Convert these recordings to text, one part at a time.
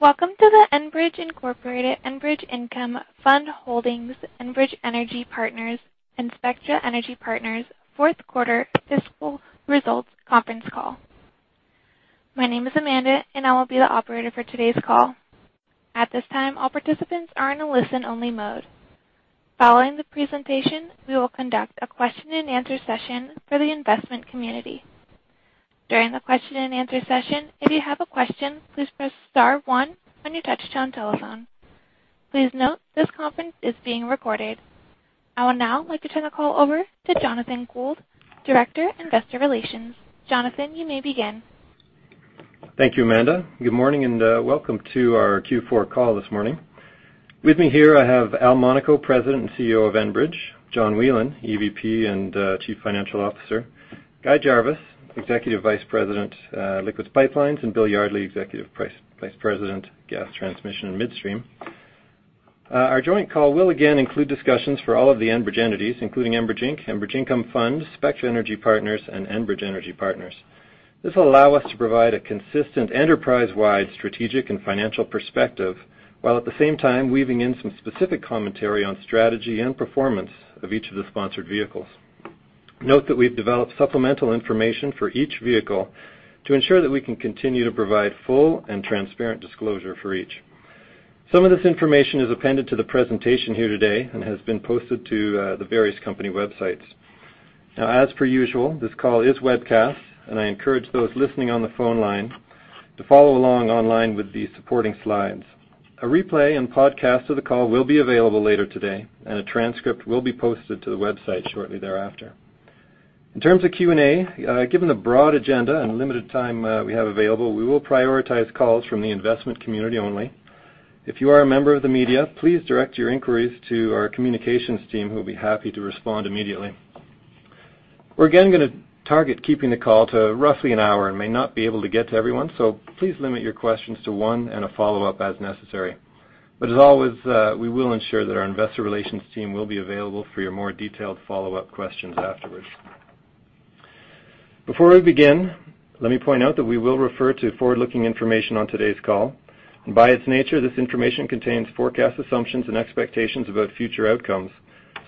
Welcome to the Enbridge Inc. Enbridge Income Fund Holdings Inc., Enbridge Energy Partners, L.P., and Spectra Energy Partners, LP Q4 Fiscal Results Conference Call. My name is Amanda. I will be the operator for today's call. At this time, all participants are in a listen-only mode. Following the presentation, we will conduct a Q&A session for the investment community. During the Q&A session, if you have a question, please press star one on your touchtone telephone. Please note, this conference is being recorded. I would now like to turn the call over to Jonathan Gould, Director, Investor Relations. Jonathan, you may begin. Thank you, Amanda. Good morning, and welcome to our Q4 call this morning. With me here I have Al Monaco, President and CEO of Enbridge, John Whelen, EVP and Chief Financial Officer, Guy Jarvis, Executive Vice President, Liquids Pipelines, and Bill Yardley, Executive Vice President, Gas Transmission and Midstream. Our joint call will again include discussions for all of the Enbridge entities, including Enbridge Inc., Enbridge Income Fund, Spectra Energy Partners, and Enbridge Energy Partners. This will allow us to provide a consistent enterprise-wide strategic and financial perspective, while at the same time weaving in some specific commentary on strategy and performance of each of the sponsored vehicles. Note that we've developed supplemental information for each vehicle to ensure that we can continue to provide full and transparent disclosure for each. Some of this information is appended to the presentation here today and has been posted to the various company websites. As per usual, this call is webcast, and I encourage those listening on the phone line to follow along online with the supporting slides. A replay and podcast of the call will be available later today, and a transcript will be posted to the website shortly thereafter. In terms of Q&A, given the broad agenda and limited time we have available, we will prioritize calls from the investment community only. If you are a member of the media, please direct your inquiries to our communications team who will be happy to respond immediately. We're again gonna target keeping the call to roughly an hour and may not be able to get to everyone, so please limit your questions to one and a follow-up as necessary. As always, we will ensure that our investor relations team will be available for your more detailed follow-up questions afterwards. Before we begin, let me point out that we will refer to forward-looking information on today's call. By its nature, this information contains forecast assumptions and expectations about future outcomes,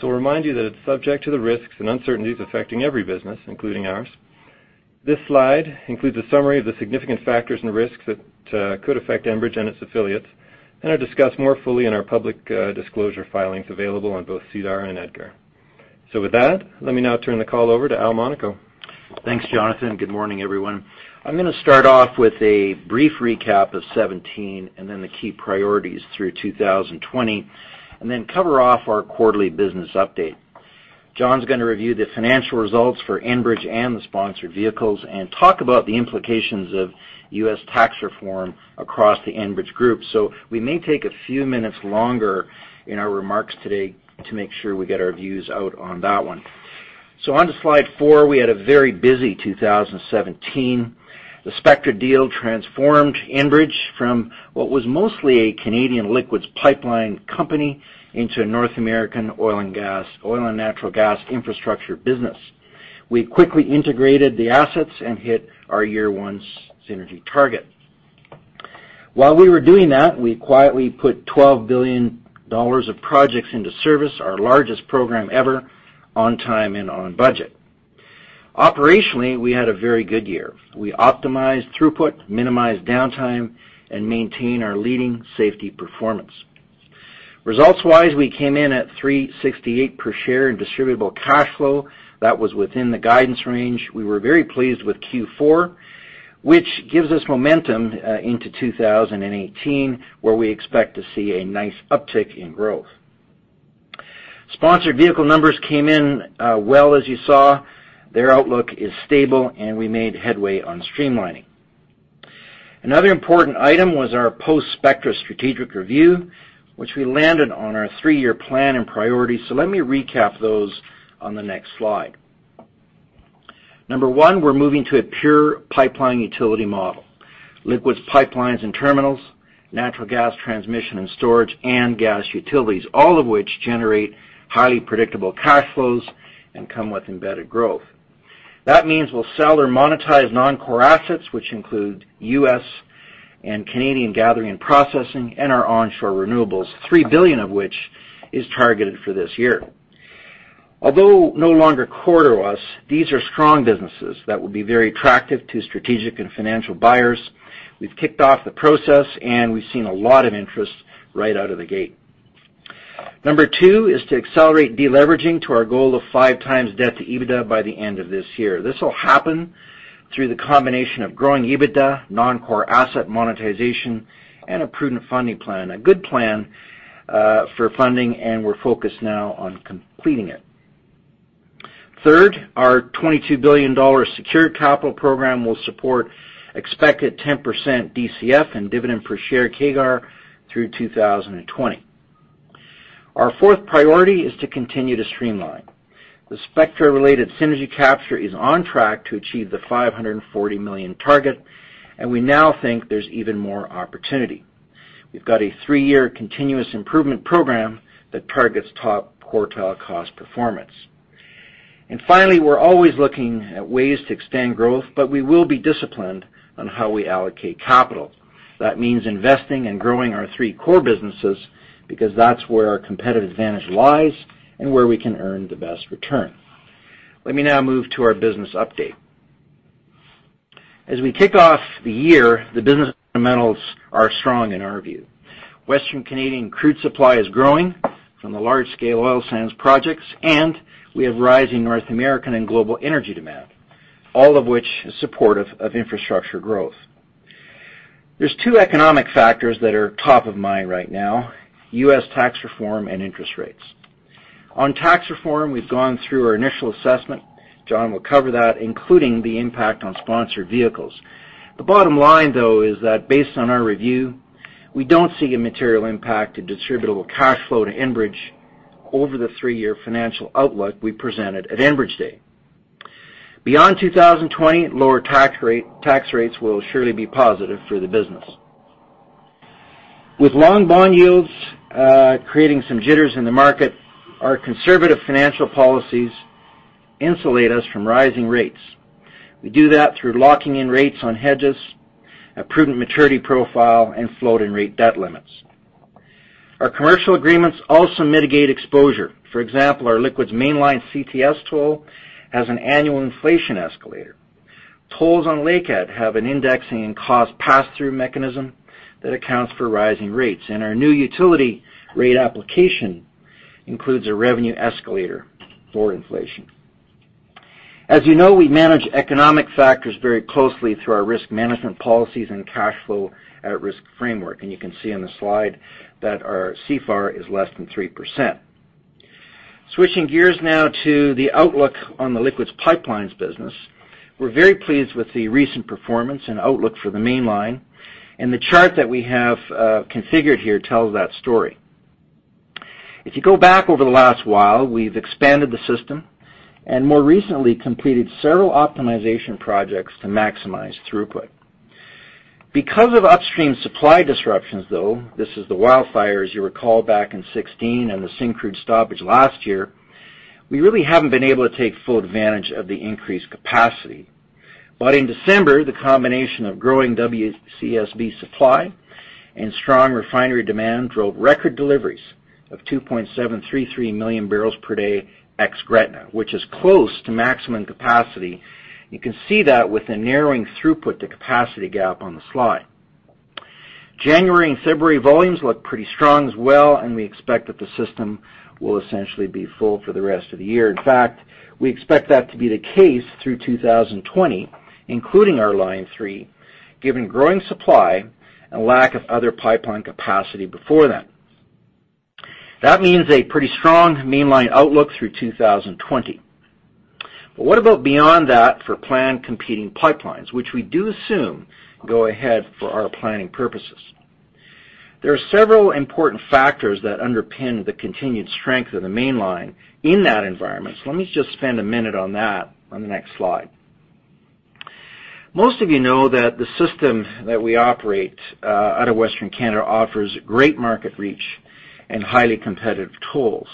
so remind you that it's subject to the risks and uncertainties affecting every business, including ours. This slide includes a summary of the significant factors and risks that could affect Enbridge and its affiliates, and are discussed more fully in our public disclosure filings available on both SEDAR and EDGAR. With that, let me now turn the call over to Al Monaco. Thanks, Jonathan. Good morning, everyone. I'm gonna start off with a brief recap of 2017 and then the key priorities through 2020, and then cover off our quarterly business update. John's gonna review the financial results for Enbridge and the sponsored vehicles and talk about the implications of US tax reform across the Enbridge group. We may take a few minutes longer in our remarks today to make sure we get our views out on that one. On to Slide 4, we had a very busy 2017. The Spectra deal transformed Enbridge from what was mostly a Canadian liquids pipeline company into a North American oil and natural gas infrastructure business. We quickly integrated the assets and hit our year one's synergy target. While we were doing that, we quietly put 12 billion dollars of projects into service, our largest program ever, on time and on budget. Operationally, we had a very good year. We optimized throughput, minimized downtime, and maintained our leading safety performance. Results-wise, we came in at 3.68 per share in distributable cash flow. That was within the guidance range. We were very pleased with Q4, which gives us momentum into 2018, where we expect to see a nice uptick in growth. Sponsored vehicle numbers came in well, as you saw. Their outlook is stable, we made headway on streamlining. Another important item was our post-Spectra strategic review, which we landed on our three-year plan and priorities. Let me recap those on the next slide. Number one, we're moving to a pure pipeline utility model. Liquids Pipelines and terminals, natural gas transmission and storage, and gas utilities, all of which generate highly predictable cash flows and come with embedded growth. We'll sell or monetize non-core assets, which include US and Canadian gathering and processing and our onshore renewables, 3 billion of which is targeted for this year. No longer core to us, these are strong businesses that will be very attractive to strategic and financial buyers. We've kicked off the process, we've seen a lot of interest right out of the gate. Number two is to accelerate de-leveraging to our goal of 5x debt to EBITDA by the end of this year. This will happen through the combination of growing EBITDA, non-core asset monetization, a prudent funding plan, a good plan for funding, we're focused now on completing it. Our 22 billion dollar secured capital program will support expected 10% DCF and dividend per share CAGR through 2020. Our fourth priority is to continue to streamline. The Spectra-related synergy capture is on track to achieve the 540 million target. We now think there is even more opportunity. We've got a three-year continuous improvement program that targets top quartile cost performance. Finally, we are always looking at ways to extend growth. We will be disciplined on how we allocate capital. That means investing and growing our three core businesses because that's where our competitive advantage lies and where we can earn the best return. Let me now move to our business update. As we kick off the year, the business fundamentals are strong in our view. Western Canadian crude supply is growing from the large-scale oil sands projects. We have rising North American and global energy demand, all of which is supportive of infrastructure growth. There's two economic factors that are top of mind right now, US tax reform and interest rates. On tax reform, we've gone through our initial assessment. John will cover that, including the impact on sponsored vehicles. The bottom line, though, is that based on our review, we don't see a material impact to distributable cash flow to Enbridge over the three-year financial outlook we presented at Enbridge Day. Beyond 2020, lower tax rates will surely be positive for the business. With long bond yields creating some jitters in the market, our conservative financial policies insulate us from rising rates. We do that through locking in rates on hedges, a prudent maturity profile, and floating rate debt limits. Our commercial agreements also mitigate exposure. For example, our Liquids Mainline CTS toll has an annual inflation escalator. Tolls on Lakehead have an indexing and cost pass-through mechanism that accounts for rising rates. Our new utility rate application includes a revenue escalator for inflation. As you know, we manage economic factors very closely through our risk management policies and cash flow at-risk framework. You can see on the slide that our CFAR is less than 3%. Switching gears now to the outlook on the Liquids Pipelines business. We're very pleased with the recent performance and outlook for the Mainline, and the chart that we have configured here tells that story. If you go back over the last while, we've expanded the system and more recently completed several optimization projects to maximize throughput. Because of upstream supply disruptions, though, this is the wildfires you recall back in 2016 and the Syncrude stoppage last year, we really haven't been able to take full advantage of the increased capacity. In December, the combination of growing WCSB supply and strong refinery demand drove record deliveries of 2.733 million barrels per day ex-Gretna, which is close to maximum capacity. You can see that with the narrowing throughput to capacity gap on the slide. January and February volumes look pretty strong as well, and we expect that the system will essentially be full for the rest of the year. In fact, we expect that to be the case through 2020, including our Line-3, given growing supply and lack of other pipeline capacity before then. What about beyond that for planned competing pipelines, which we do assume go ahead for our planning purposes? There are several important factors that underpin the continued strength of the Mainline in that environment. Let me just spend a minute on that on the next slide. Most of you know that the system that we operate out of Western Canada offers great market reach and highly competitive tolls,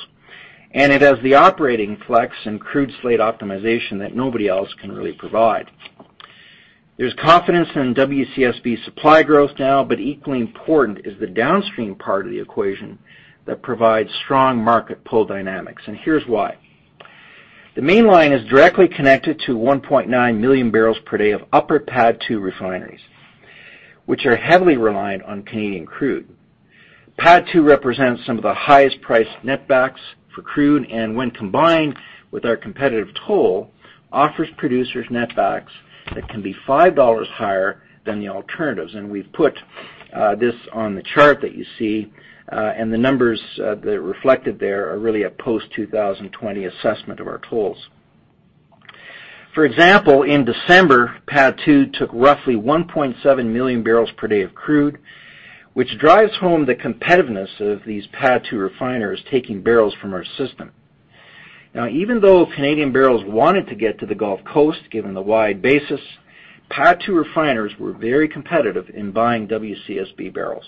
and it has the operating flex and crude slate optimization that nobody else can really provide. There's confidence in WCSB supply growth now, equally important is the downstream part of the equation that provides strong market pull dynamics, here's why. The Mainline is directly connected to 1.9 million barrels per day of upper PADD II refineries, which are heavily reliant on Canadian crude. PADD II represents some of the highest-priced netbacks for crude and, when combined with our competitive toll, offers producers netbacks that can be 5 dollars higher than the alternatives. We've put this on the chart that you see, the numbers that are reflected there are really a post-2020 assessment of our tolls. For example, in December, PADD II took roughly 1.7 million barrels per day of crude, which drives home the competitiveness of these PADD II refiners taking barrels from our system. Even though Canadian barrels wanted to get to the Gulf Coast, given the wide basis, PADD II refiners were very competitive in buying WCSB barrels.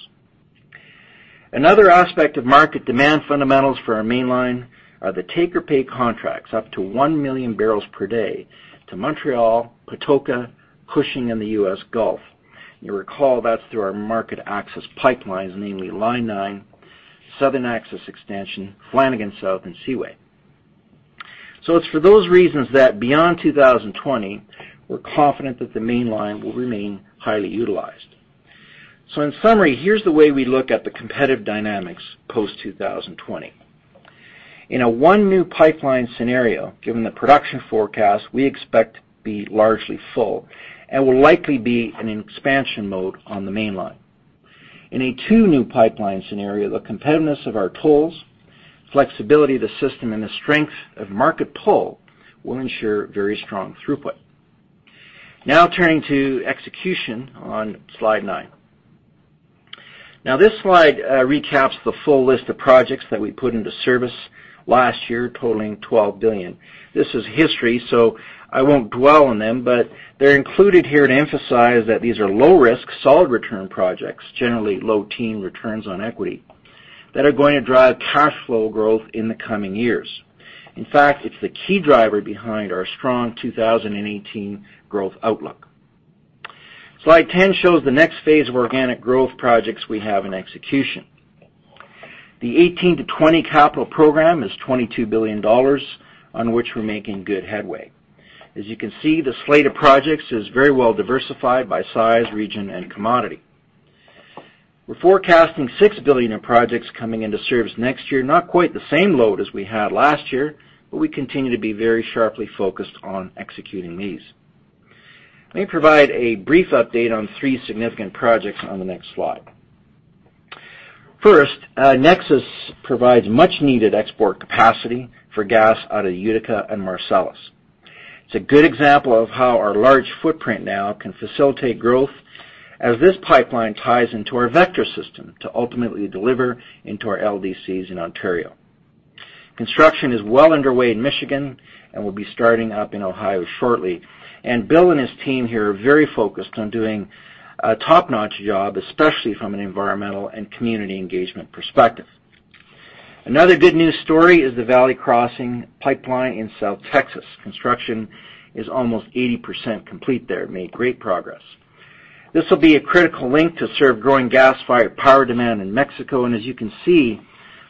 Another aspect of market demand fundamentals for our Mainline are the take-or-pay contracts, up to one million barrels per day to Montreal, Patoka, Cushing, and the US Gulf. You'll recall that's through our market access pipelines, namely Line-9, Southern Access Extension, Flanagan South, and Seaway. It's for those reasons that beyond 2020, we're confident that the Mainline will remain highly utilized. In summary, here's the way we look at the competitive dynamics post-2020. In a one new pipeline scenario, given the production forecast, we expect to be largely full and will likely be in expansion mode on the Mainline. In a two new pipeline scenario, the competitiveness of our tolls, flexibility of the system, and the strength of market pull will ensure very strong throughput. Turning to execution on Slide 9. This slide recaps the full list of projects that we put into service last year totaling 12 billion. This is history, so I won't dwell on them, but they're included here to emphasize that these are low-risk, solid return projects, generally low-teen returns on equity that are going to drive cash flow growth in the coming years. In fact, it's the key driver behind our strong 2018 growth outlook. Slide 10 shows the next phase of organic growth projects we have in execution. The 2018-2020 capital program is 22 billion dollars on which we're making good headway. As you can see, the slate of projects is very well diversified by size, region, and commodity. We're forecasting 6 billion in projects coming into service next year, not quite the same load as we had last year, but we continue to be very sharply focused on executing these. Let me provide a brief update on three significant projects on the next slide. First, NEXUS provides much-needed export capacity for gas out of Utica and Marcellus. It's a good example of how our large footprint now can facilitate growth as this pipeline ties into our Vector system to ultimately deliver into our LDCs in Ontario. Construction is well underway in Michigan and will be starting up in Ohio shortly. Bill and his team here are very focused on doing a top-notch job, especially from an environmental and community engagement perspective. Another good news story is the Valley Crossing Pipeline in South Texas. Construction is almost 80% complete there. It made great progress. This will be a critical link to serve growing gas-fired power demand in Mexico. As you can see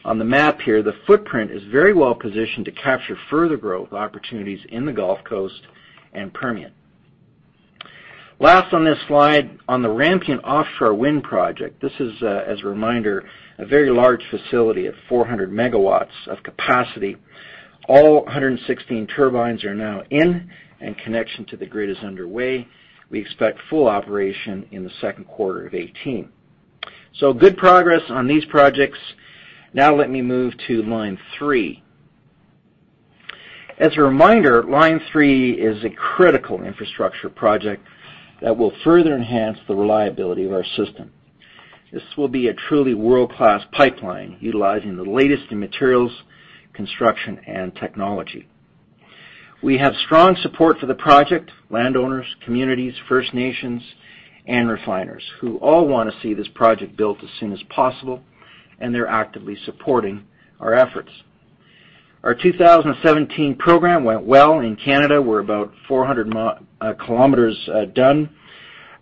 on the map here, the footprint is very well-positioned to capture further growth opportunities in the Gulf Coast and Permian. Last on this slide on the Rampion Offshore Wind Project, this is, as a reminder, a very large facility of 400 MW of capacity. All 116 turbines are now in, and connection to the grid is underway. We expect full operation in the Q2 of 2018. Good progress on these projects. Let me move to Line-3. As a reminder, Line-3 is a critical infrastructure project that will further enhance the reliability of our system. This will be a truly world-class pipeline utilizing the latest in materials, construction, and technology. We have strong support for the project, landowners, communities, First Nations, and refiners, who all wanna see this project built as soon as possible, and they're actively supporting our efforts. Our 2017 program went well. In Canada, we're about 400 km done,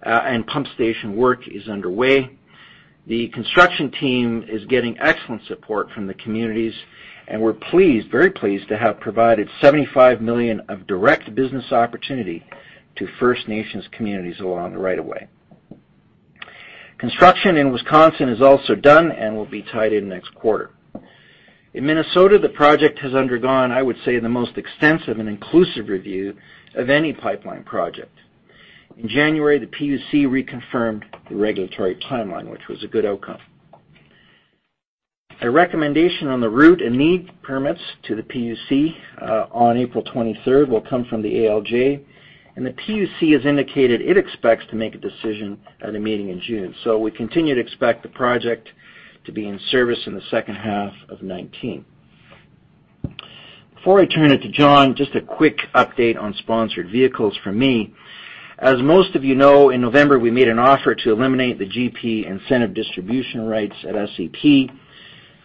and pump station work is underway. The construction team is getting excellent support from the communities, and we're very pleased to have provided 75 million of direct business opportunity to First Nations communities along the right of way. Construction in Wisconsin is also done and will be tied in next quarter. In Minnesota, the project has undergone, I would say, the most extensive and inclusive review of any pipeline project. In January, the PUC reconfirmed the regulatory timeline, which was a good outcome. A recommendation on the route and need permits to the PUC on 23 April will come from the ALJ, and the PUC has indicated it expects to make a decision at a meeting in June. We continue to expect the project to be in service in the H2 of 2019. Before I turn it to John, just a quick update on sponsored vehicles from me. As most of you know, in November, we made an offer to eliminate the GP incentive distribution rights at SEP.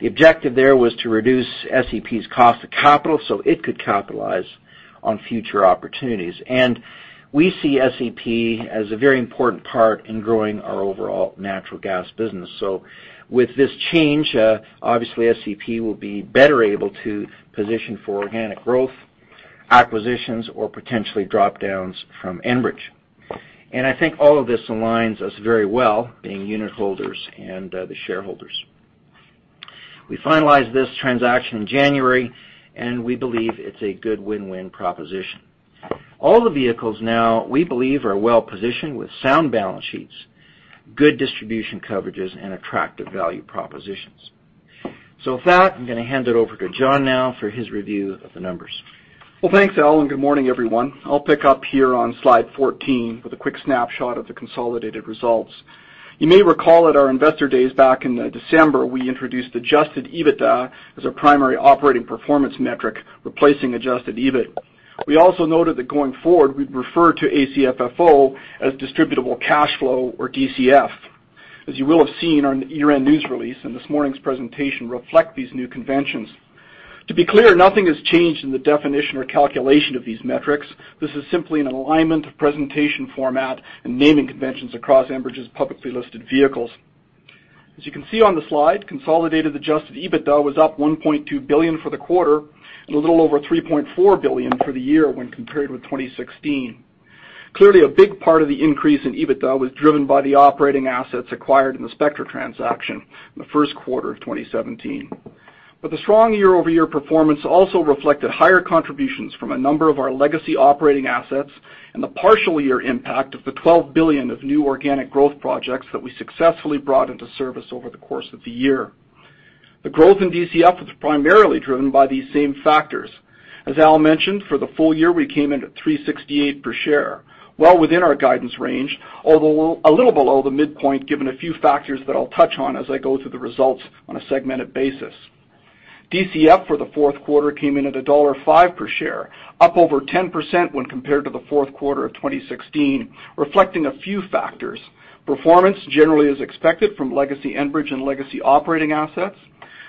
The objective there was to reduce SEP's cost to capital, so it could capitalize on future opportunities. We see SEP as a very important part in growing our overall natural gas business. With this change, obviously, SEP will be better able to position for organic growth, acquisitions or potentially drop-downs from Enbridge. I think all of this aligns us very well being unitholders and, the shareholders. We finalized this transaction in January, and we believe it's a good win-win proposition. All the vehicles now, we believe, are well-positioned with sound balance sheets, good distribution coverages, and attractive value propositions. With that, I'm gonna hand it over to John now for his review of the numbers. Thanks, Al, and good morning, everyone. I'll pick up here on Slide 14 with a quick snapshot of the consolidated results. You may recall at our investor days back in December, we introduced adjusted EBITDA as our primary operating performance metric, replacing adjusted EBIT. We also noted that going forward, we'd refer to ACFFO as distributable cash flow or DCF. As you will have seen on our year-end news release and this morning's presentation reflect these new conventions. To be clear, nothing has changed in the definition or calculation of these metrics. This is simply an alignment of presentation format and naming conventions across Enbridge's publicly listed vehicles. As you can see on the slide, consolidated adjusted EBITDA was up 1.2 billion for the quarter and a little over 3.4 billion for the year when compared with 2016. Clearly, a big part of the increase in EBITDA was driven by the operating assets acquired in the Spectra transaction in the Q1 of 2017. The strong year-over-year performance also reflected higher contributions from a number of our legacy operating assets and the partial year impact of the 12 billion of new organic growth projects that we successfully brought into service over the course of the year. The growth in DCF was primarily driven by these same factors. As Al mentioned, for the full year, we came in at 3.68 per share, well within our guidance range, although a little below the midpoint given a few factors that I'll touch on as I go through the results on a segmented basis. DCF for the Q4 came in at dollar 1.05 per share, up over 10% when compared to the Q4 of 2016, reflecting a few factors. Performance generally as expected from legacy Enbridge and legacy operating assets,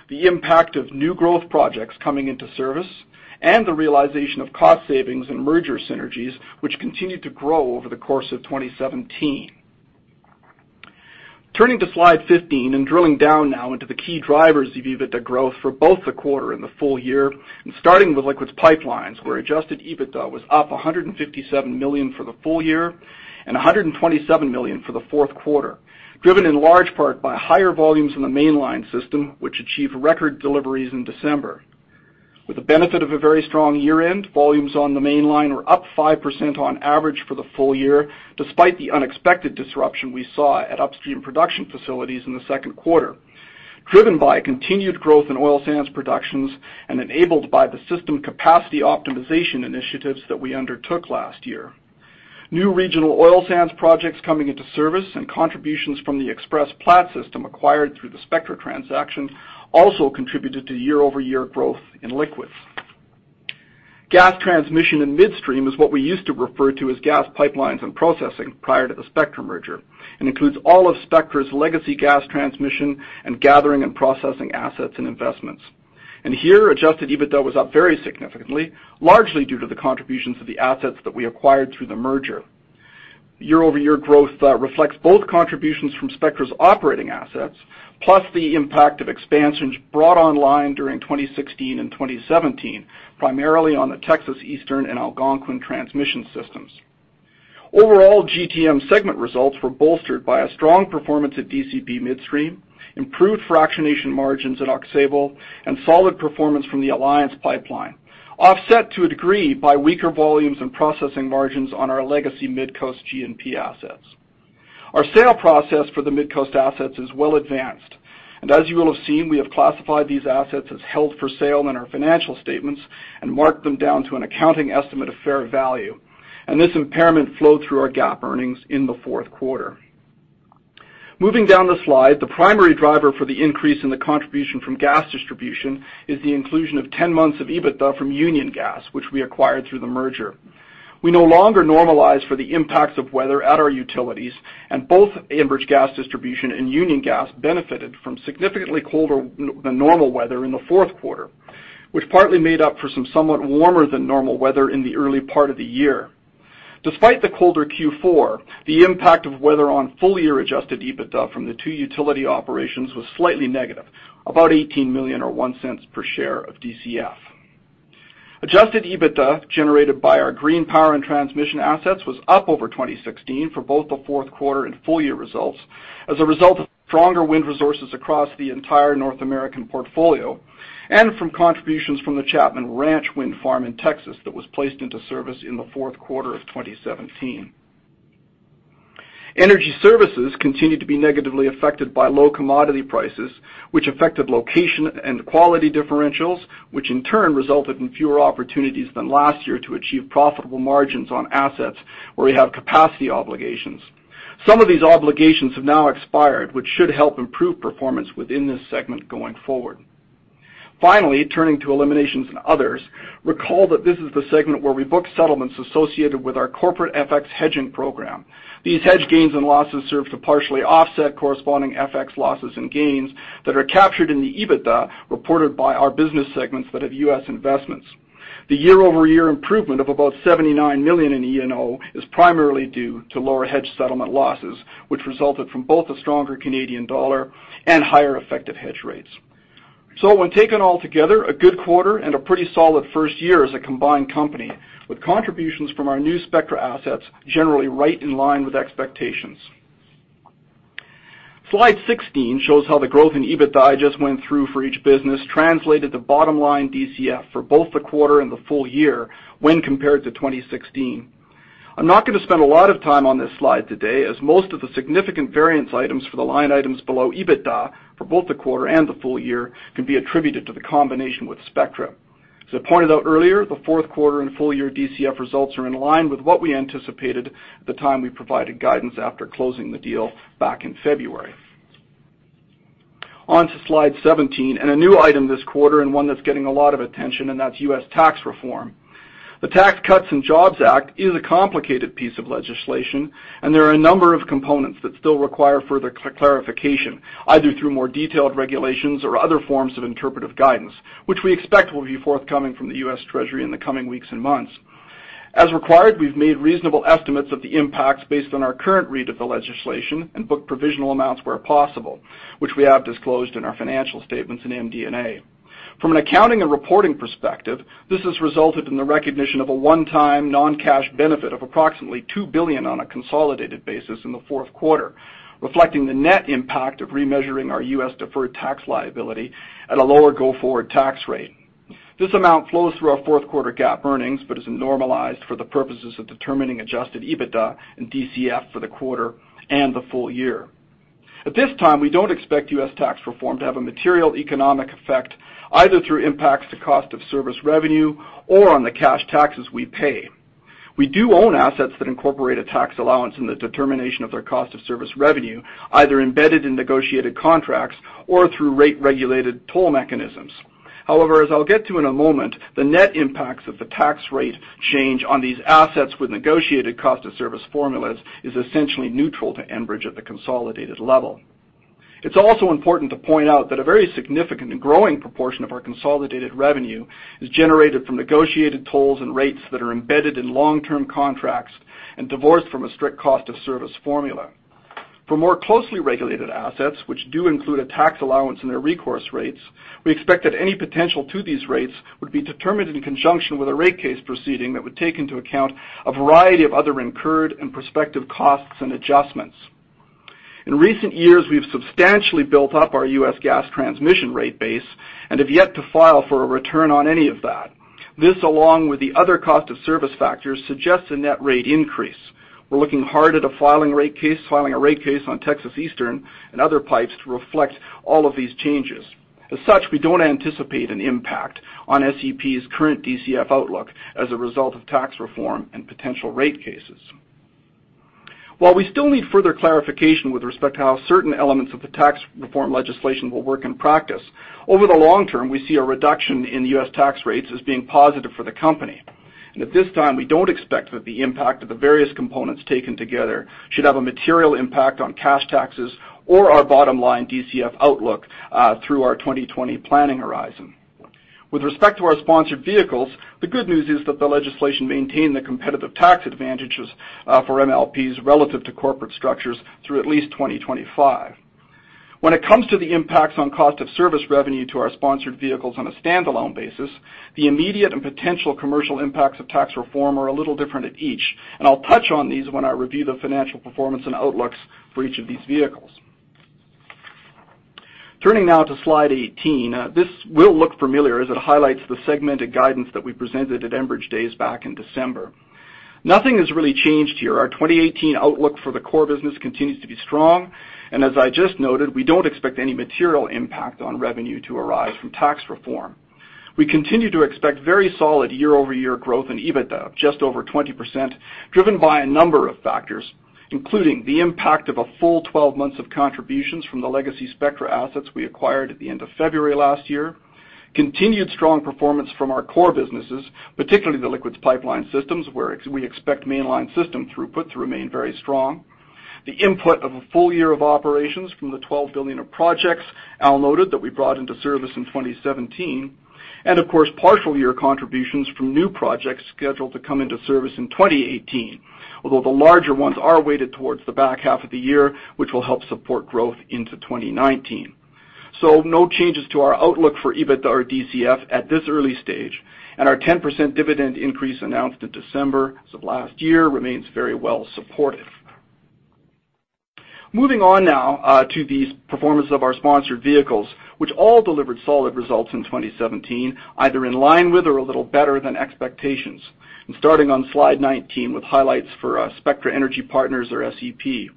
the impact of new growth projects coming into service, and the realization of cost savings and merger synergies, which continued to grow over the course of 2017. Turning to Slide 15 and drilling down now into the key drivers of EBITDA growth for both the quarter and the full year, and starting with Liquids Pipelines, where adjusted EBITDA was up 157 million for the full year and 127 million for the Q4, driven in large part by higher volumes in the Mainline system, which achieved record deliveries in December. With the benefit of a very strong year-end, volumes on the Mainline were up 5% on average for the full year, despite the unexpected disruption we saw at upstream production facilities in the Q2, driven by continued growth in oil sands production and enabled by the system capacity optimization initiatives that we undertook last year. New regional oil sands projects coming into service and contributions from the Express-Platte system acquired through the Spectra transaction also contributed to year-over-year growth in liquids. Gas Transmission and Midstream is what we used to refer to as gas pipelines and processing prior to the Spectra merger, and includes all of Spectra's legacy gas transmission and gathering and processing assets and investments. Here, adjusted EBITDA was up very significantly, largely due to the contributions of the assets that we acquired through the merger. Year-over-year growth reflects both contributions from Spectra's operating assets, plus the impact of expansions brought online during 2016 and 2017, primarily on the Texas Eastern and Algonquin transmission systems. Overall, GTM segment results were bolstered by a strong performance at DCP Midstream, improved fractionation margins at Aux Sable, and solid performance from the Alliance Pipeline, offset to a degree by weaker volumes and processing margins on our legacy Midcoast G&P assets. Our sale process for the Midcoast assets is well advanced. As you will have seen, we have classified these assets as held for sale in our financial statements and marked them down to an accounting estimate of fair value. This impairment flowed through our GAAP earnings in the Q4. Moving down the slide, the primary driver for the increase in the contribution from Gas Distribution is the inclusion of 10 months of EBITDA from Union Gas, which we acquired through the merger. We no longer normalize for the impacts of weather at our utilities, and both Enbridge Gas Distribution and Union Gas benefited from significantly colder than normal weather in the Q4, which partly made up for somewhat warmer than normal weather in the early part of the year. Despite the colder Q4, the impact of weather on full-year adjusted EBITDA from the two utility operations was slightly negative, about 18 million or 0.01 per share of DCF. Adjusted EBITDA generated by our green power and transmission assets was up over 2016 for both the Q4 and full-year results as a result of stronger wind resources across the entire North American portfolio and from contributions from the Chapman Ranch Wind Farm in Texas that was placed into service in the Q4 of 2017. Energy services continued to be negatively affected by low commodity prices, which affected location and quality differentials, which in turn resulted in fewer opportunities than last year to achieve profitable margins on assets where we have capacity obligations. Some of these obligations have now expired, which should help improve performance within this segment going forward. Turning to eliminations and others, recall that this is the segment where we book settlements associated with our corporate FX hedging program. These hedge gains and losses serve to partially offset corresponding FX losses and gains that are captured in the EBITDA reported by our business segments that have US investments. The year-over-year improvement of about 79 million in E&O is primarily due to lower hedge settlement losses, which resulted from both the stronger Canadian dollar and higher effective hedge rates. When taken all together, a good quarter and a pretty solid first year as a combined company, with contributions from our new Spectra assets generally right in line with expectations. Slide 16 shows how the growth in EBITDA I just went through for each business translated to bottom-line DCF for both the quarter and the full year when compared to 2016. I'm not gonna spend a lot of time on this slide today as most of the significant variance items for the line items below EBITDA for both the quarter and the full-year can be attributed to the combination with Spectra. As I pointed out earlier, the Q4 and full-year DCF results are in line with what we anticipated at the time we provided guidance after closing the deal back in February. On to Slide 17 and a new item this quarter and one that's getting a lot of attention, and that's US tax reform. The Tax Cuts and Jobs Act is a complicated piece of legislation, and there are a number of components that still require further clarification, either through more detailed regulations or other forms of interpretive guidance, which we expect will be forthcoming from the US Treasury in the coming weeks and months. As required, we've made reasonable estimates of the impacts based on our current read of the legislation and booked provisional amounts where possible, which we have disclosed in our financial statements in MD&A. From an accounting and reporting perspective, this has resulted in the recognition of a one-time non-cash benefit of approximately 2 billion on a consolidated basis in the Q4, reflecting the net impact of remeasuring our US deferred tax liability at a lower go-forward tax rate. This amount flows through our Q4 GAAP earnings, isn't normalized for the purposes of determining adjusted EBITDA and DCF for the quarter and the full year. At this time, we don't expect US tax reform to have a material economic effect, either through impacts to cost of service revenue or on the cash taxes we pay. We do own assets that incorporate a tax allowance in the determination of their cost of service revenue, either embedded in negotiated contracts or through rate-regulated toll mechanisms. As I'll get to in a moment, the net impacts of the tax rate change on these assets with negotiated cost of service formulas is essentially neutral to Enbridge at the consolidated level. It's also important to point out that a very significant and growing proportion of our consolidated revenue is generated from negotiated tolls and rates that are embedded in long-term contracts and divorced from a strict cost of service formula. For more closely regulated assets, which do include a tax allowance in their recourse rates, we expect that any potential to these rates would be determined in conjunction with a rate case proceeding that would take into account a variety of other incurred and prospective costs and adjustments. In recent years, we've substantially built up our US Gas Transmission rate base and have yet to file for a return on any of that. This, along with the other cost of service factors, suggests a net rate increase. We're looking hard at filing a rate case on Texas Eastern and other pipes to reflect all of these changes. As such, we don't anticipate an impact on SEP's current DCF outlook as a result of tax reform and potential rate cases. While we still need further clarification with respect to how certain elements of the tax reform legislation will work in practice, over the long term, we see a reduction in US tax rates as being positive for the company. At this time, we don't expect that the impact of the various components taken together should have a material impact on cash taxes or our bottom line DCF outlook, through our 2020 planning horizon. With respect to our sponsored vehicles, the good news is that the legislation maintained the competitive tax advantages for MLPs relative to corporate structures through at least 2025. When it comes to the impacts on cost of service revenue to our sponsored vehicles on a standalone basis, the immediate and potential commercial impacts of tax reform are a little different at each, and I'll touch on these when I review the financial performance and outlooks for each of these vehicles. Turning now to Slide 18. This will look familiar as it highlights the segmented guidance that we presented at Enbridge Day back in December. Nothing has really changed here. Our 2018 outlook for the core business continues to be strong, and as I just noted, we don't expect any material impact on revenue to arise from tax reform. We continue to expect very solid year-over-year growth in EBITDA of just over 20%, driven by a number of factors, including the impact of a full 12 months of contributions from the legacy Spectra assets we acquired at the end of February last year, continued strong performance from our core businesses, particularly the Liquids Pipelines systems, where we expect Mainline system throughput to remain very strong, the input of a full year of operations from the 12 billion of projects Al noted that we brought into service in 2017, and of course, partial year contributions from new projects scheduled to come into service in 2018. Although the larger ones are weighted towards the back half of the year, which will help support growth into 2019. No changes to our outlook for EBITDA or DCF at this early stage, and our 10% dividend increase announced in December of last year remains very well supportive. Moving on now to the performance of our sponsored vehicles, which all delivered solid results in 2017, either in line with or a little better than expectations. Starting on Slide 19 with highlights for Spectra Energy Partners or SEP.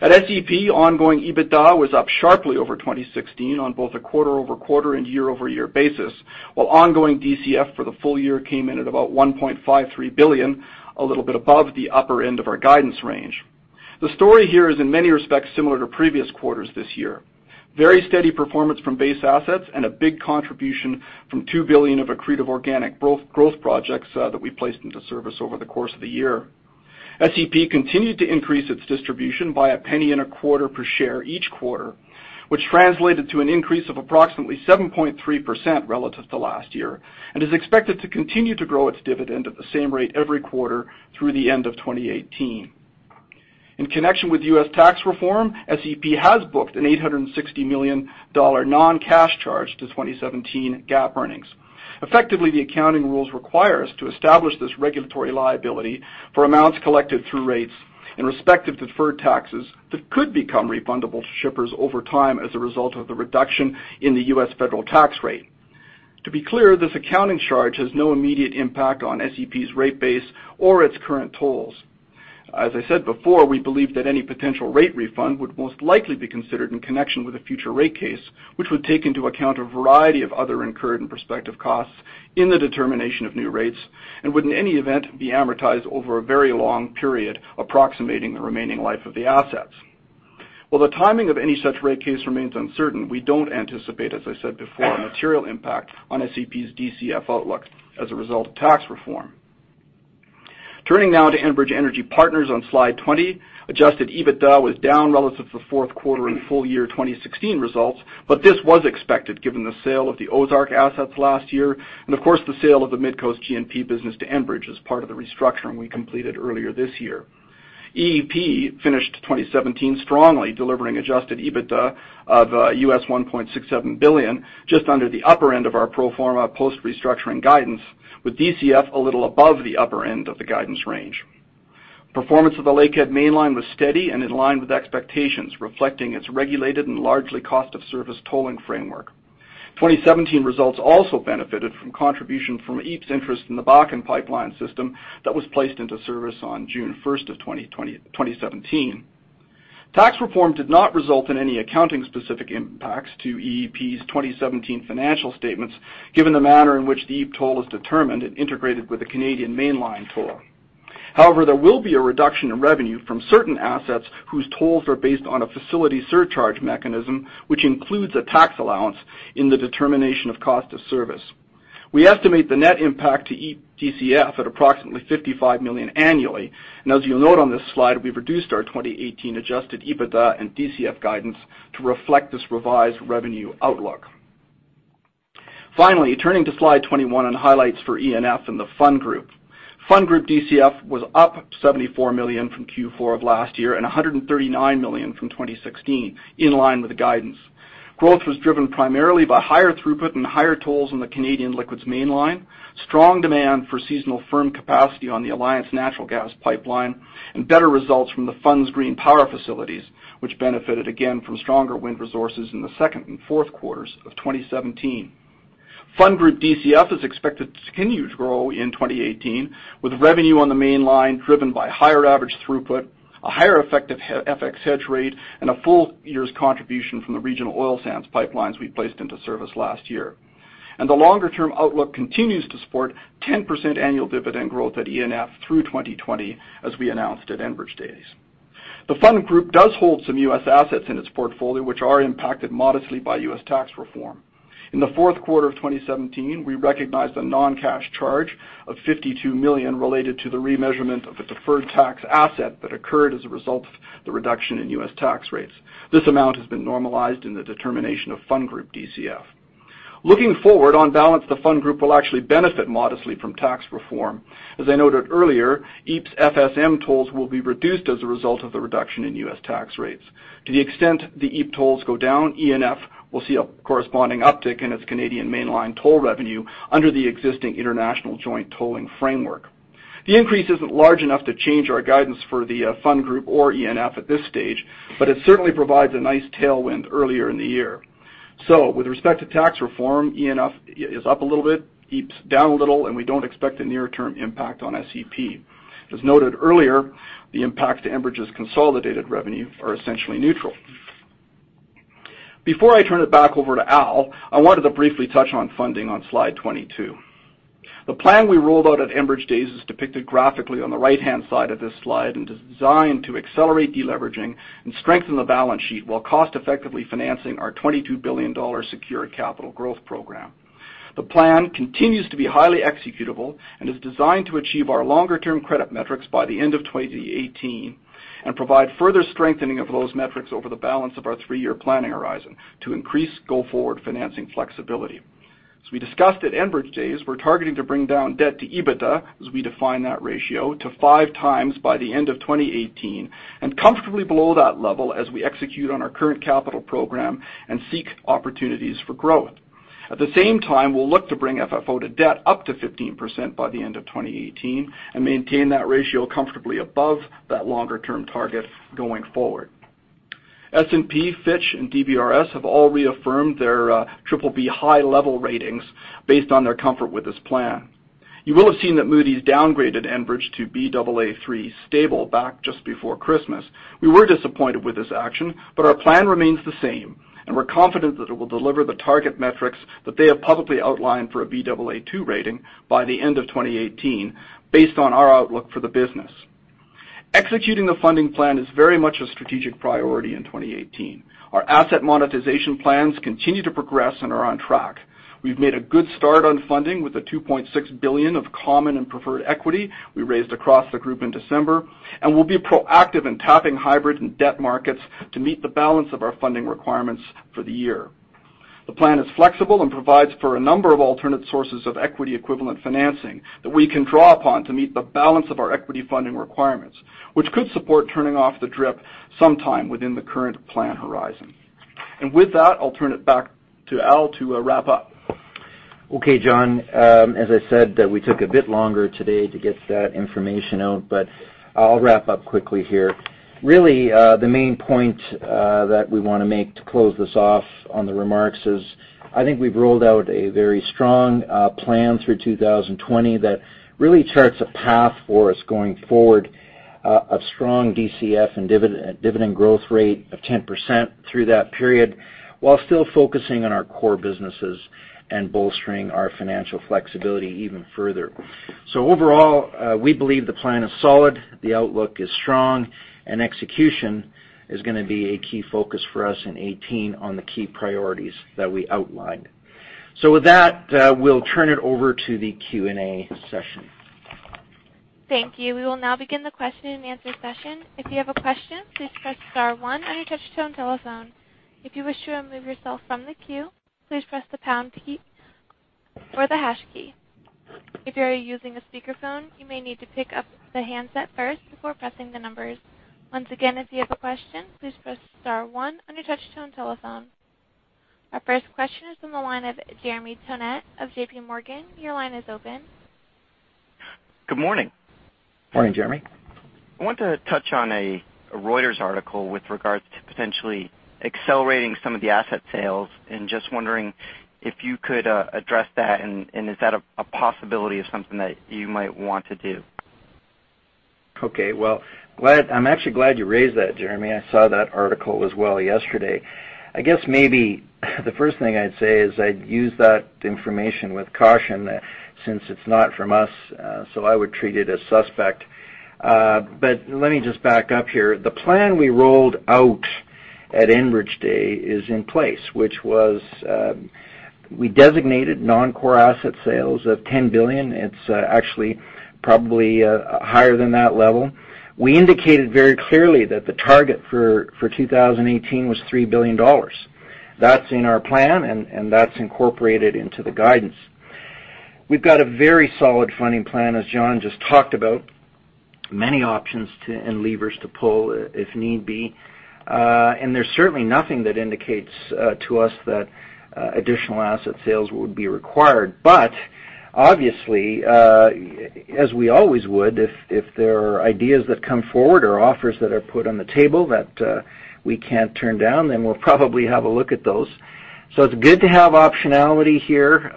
At SEP, ongoing EBITDA was up sharply over 2016 on both a quarter-over-quarter and year-over-year basis, while ongoing DCF for the full year came in at about 1.53 billion, a little bit above the upper end of our guidance range. The story here is in many respects similar to previous quarters this year. Very steady performance from base assets and a big contribution from two billion of accretive organic growth projects, that we placed into service over the course of the year. SEP continued to increase its distribution by a penny and a quarter per share each quarter, which translated to an increase of approximately 7.3% relative to last year, and is expected to continue to grow its dividend at the same rate every quarter through the end of 2018. In connection with US tax reform, SEP has booked a 860 million dollar non-cash charge to 2017 GAAP earnings. Effectively, the accounting rules require us to establish this regulatory liability for amounts collected through rates in respect of deferred taxes that could become refundable to shippers over time as a result of the reduction in the US federal tax rate. To be clear, this accounting charge has no immediate impact on SEP's rate base or its current tolls. As I said before, we believe that any potential rate refund would most likely be considered in connection with a future rate case, which would take into account a variety of other incurred and prospective costs in the determination of new rates, and would, in any event, be amortized over a very long period, approximating the remaining life of the assets. While the timing of any such rate case remains uncertain, we don't anticipate, as I said before, a material impact on SEP's DCF outlook as a result of tax reform. Turning now to Enbridge Energy Partners on Slide 20. Adjusted EBITDA was down relative to the Q4 and full year 2016 results. This was expected given the sale of the Ozark assets last year, and of course, the sale of the Midcoast G&P business to Enbridge as part of the restructuring we completed earlier this year. EEP finished 2017 strongly, delivering adjusted EBITDA of $1.67 billion, just under the upper end of our pro forma post-restructuring guidance, with DCF a little above the upper end of the guidance range. Performance of the Lakehead Mainline was steady and in line with expectations, reflecting its regulated and largely cost-of-service tolling framework. 2017 results also benefited from contribution from EEP's interest in the Bakken pipeline system that was placed into service on 1 June 2017. Tax reform did not result in any accounting specific impacts to EEP's 2017 financial statements, given the manner in which the EEP toll is determined and integrated with the Canadian Mainline toll. There will be a reduction in revenue from certain assets whose tolls are based on a facility surcharge mechanism, which includes a tax allowance in the determination of cost of service. We estimate the net impact to EEP DCF at approximately $55 million annually. As you'll note on this slide, we've reduced our 2018 adjusted EBITDA and DCF guidance to reflect this revised revenue outlook. Turning to Slide 21 on highlights for ENF and the Fund Group. Fund Group DCF was up 74 million from Q4 of last year and 139 million from 2016, in line with the guidance. Growth was driven primarily by higher throughput and higher tolls on the Canadian Liquids Mainline, strong demand for seasonal firm capacity on the Alliance Pipeline, and better results from the Fund's green power facilities, which benefited again from stronger wind resources in the Q2 and Q4 of 2017. Fund Group DCF is expected to continue to grow in 2018 with revenue on the Mainline driven by higher average throughput, a higher effective FX hedge rate, and a full year's contribution from the regional oil sands pipelines we placed into service last year. The longer term outlook continues to support 10% annual dividend growth at ENF through 2020, as we announced at Enbridge Day. The Fund Group does hold some US assets in its portfolio which are impacted modestly by US tax reform. In the Q4 of 2017, we recognized a non-cash charge of 52 million related to the remeasurement of a deferred tax asset that occurred as a result of the reduction in US tax rates. This amount has been normalized in the determination of Fund Group DCF. Looking forward, on balance, the Fund Group will actually benefit modestly from tax reform. As I noted earlier, EEP's FSM tolls will be reduced as a result of the reduction in US tax rates. To the extent the EEP tolls go down, ENF will see a corresponding uptick in its Canadian Mainline toll revenue under the existing International Joint Tolling framework. The increase isn't large enough to change our guidance for the Fund Group or ENF at this stage, but it certainly provides a nice tailwind earlier in the year. With respect to tax reform, ENF is up a little bit, EEP's down a little, and we don't expect a near-term impact on SEP. As noted earlier, the impact to Enbridge's consolidated revenue are essentially neutral. Before I turn it back over to Al, I wanted to briefly touch on funding on Slide 22. The plan we rolled out at Enbridge Day is depicted graphically on the right-hand side of this slide and designed to accelerate de-leveraging and strengthen the balance sheet while cost-effectively financing our 22 billion dollar secured capital growth program. The plan continues to be highly executable and is designed to achieve our longer term credit metrics by the end of 2018 and provide further strengthening of those metrics over the balance of our three-year planning horizon to increase go forward financing flexibility. As we discussed at Enbridge Days, we're targeting to bring down debt to EBITDA, as we define that ratio, to 5x by the end of 2018 and comfortably below that level as we execute on our current capital program and seek opportunities for growth. At the same time, we'll look to bring FFO to debt up to 15% by the end of 2018 and maintain that ratio comfortably above that longer term target going forward. S&P, Fitch, and DBRS have all reaffirmed their triple B high level ratings based on their comfort with this plan. You will have seen that Moody's downgraded Enbridge to Baa3 stable back just before Christmas. We were disappointed with this action, but our plan remains the same, and we're confident that it will deliver the target metrics that they have publicly outlined for a Baa2 rating by the end of 2018 based on our outlook for the business. Executing the funding plan is very much a strategic priority in 2018. Our asset monetization plans continue to progress and are on track. We've made a good start on funding with the 2.6 billion of common and preferred equity we raised across the group in December, and we'll be proactive in tapping hybrid and debt markets to meet the balance of our funding requirements for the year. The plan is flexible and provides for a number of alternate sources of equity equivalent financing that we can draw upon to meet the balance of our equity funding requirements, which could support turning off the DRIP sometime within the current plan horizon. With that, I'll turn it back to Al to wrap up. Okay, John. As I said, that we took a bit longer today to get that information out, I'll wrap up quickly here. Really, the main point that we wanna make to close this off on the remarks is I think we've rolled out a very strong plan through 2020 that really charts a path for us going forward, a strong DCF and dividend growth rate of 10% through that period while still focusing on our core businesses and bolstering our financial flexibility even further. Overall, we believe the plan is solid, the outlook is strong, and execution is gonna be a key focus for us in 18 on the key priorities that we outlined. With that, we'll turn it over to the Q&A session. Thank you. We will now begin the Q&A session. If you have a question, please press star one on your touchtone telephone. If you wish to remove yourself from the queue, please press the pound key or the hash key. If you are using a speakerphone, you may need to pick up the handset first before pressing the numbers. Once again, if you have a question, please press star one on your touchtone telephone. Our first question is on the line of Jeremy Tonet of JPMorgan, your line is open. Good morning. Morning, Jeremy. I want to touch on a Reuters article with regards to potentially accelerating some of the asset sales. Just wondering if you could address that. Is that a possibility of something that you might want to do? Well, I'm actually glad you raised that, Jeremy. I saw that article as well yesterday. I guess maybe the first thing I'd say is I'd use that information with caution since it's not from us, so I would treat it as suspect. Let me just back up here. The plan we rolled out at Enbridge Day is in place, which was, we designated non-core asset sales of 10 billion. It's actually probably higher than that level. We indicated very clearly that the target for 2018 was 3 billion dollars. That's in our plan and that's incorporated into the guidance. We've got a very solid funding plan, as John just talked about. Many options to, and levers to pull if need be. There's certainly nothing that indicates to us that additional asset sales would be required. Obviously, as we always would, if there are ideas that come forward or offers that are put on the table that we can't turn down, then we'll probably have a look at those. It's good to have optionality here,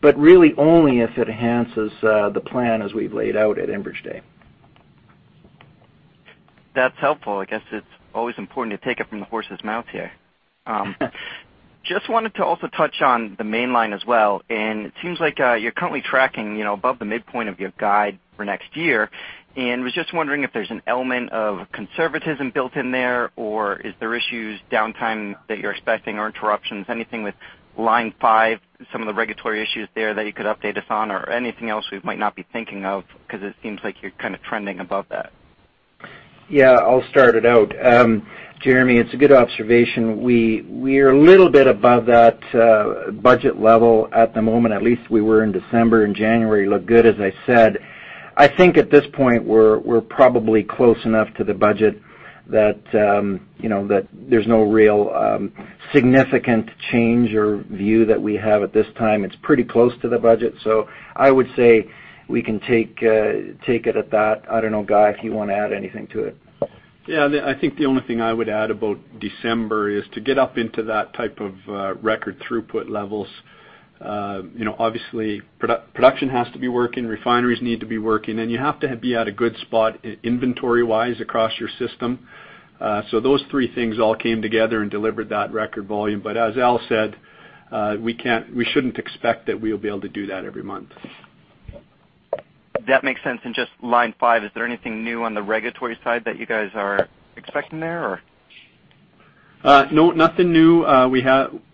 but really only if it enhances the plan as we've laid out at Enbridge Day. That's helpful. I guess it's always important to take it from the horse's mouth here. Just wanted to also touch on the Mainline as well. It seems like, you know, you're currently tracking above the midpoint of your guide for next year. Was just wondering if there's an element of conservatism built in there, or is there issues, downtime that you're expecting or interruptions? Anything with Line-5, some of the regulatory issues there that you could update us on or anything else we might not be thinking of, 'cause it seems like you're kind of trending above that. I'll start it out. Jeremy, it's a good observation. We're a little bit above that budget level at the moment, at least we were in December, January looked good, as I said. I think at this point, we're probably close enough to the budget that, you know, there's no real significant change or view that we have at this time. It's pretty close to the budget. I would say we can take it at that. I don't know, Guy, if you wanna add anything to it. I think the only thing I would add about December is to get up into that type of record throughput levels, you know, obviously product-production has to be working, refineries need to be working, and you have to be at a good spot inventory-wise across your system. Those three things all came together and delivered that record volume. As Al said, we shouldn't expect that we'll be able to do that every month. That makes sense. Just Line-5, is there anything new on the regulatory side that you guys are expecting there? No, nothing new.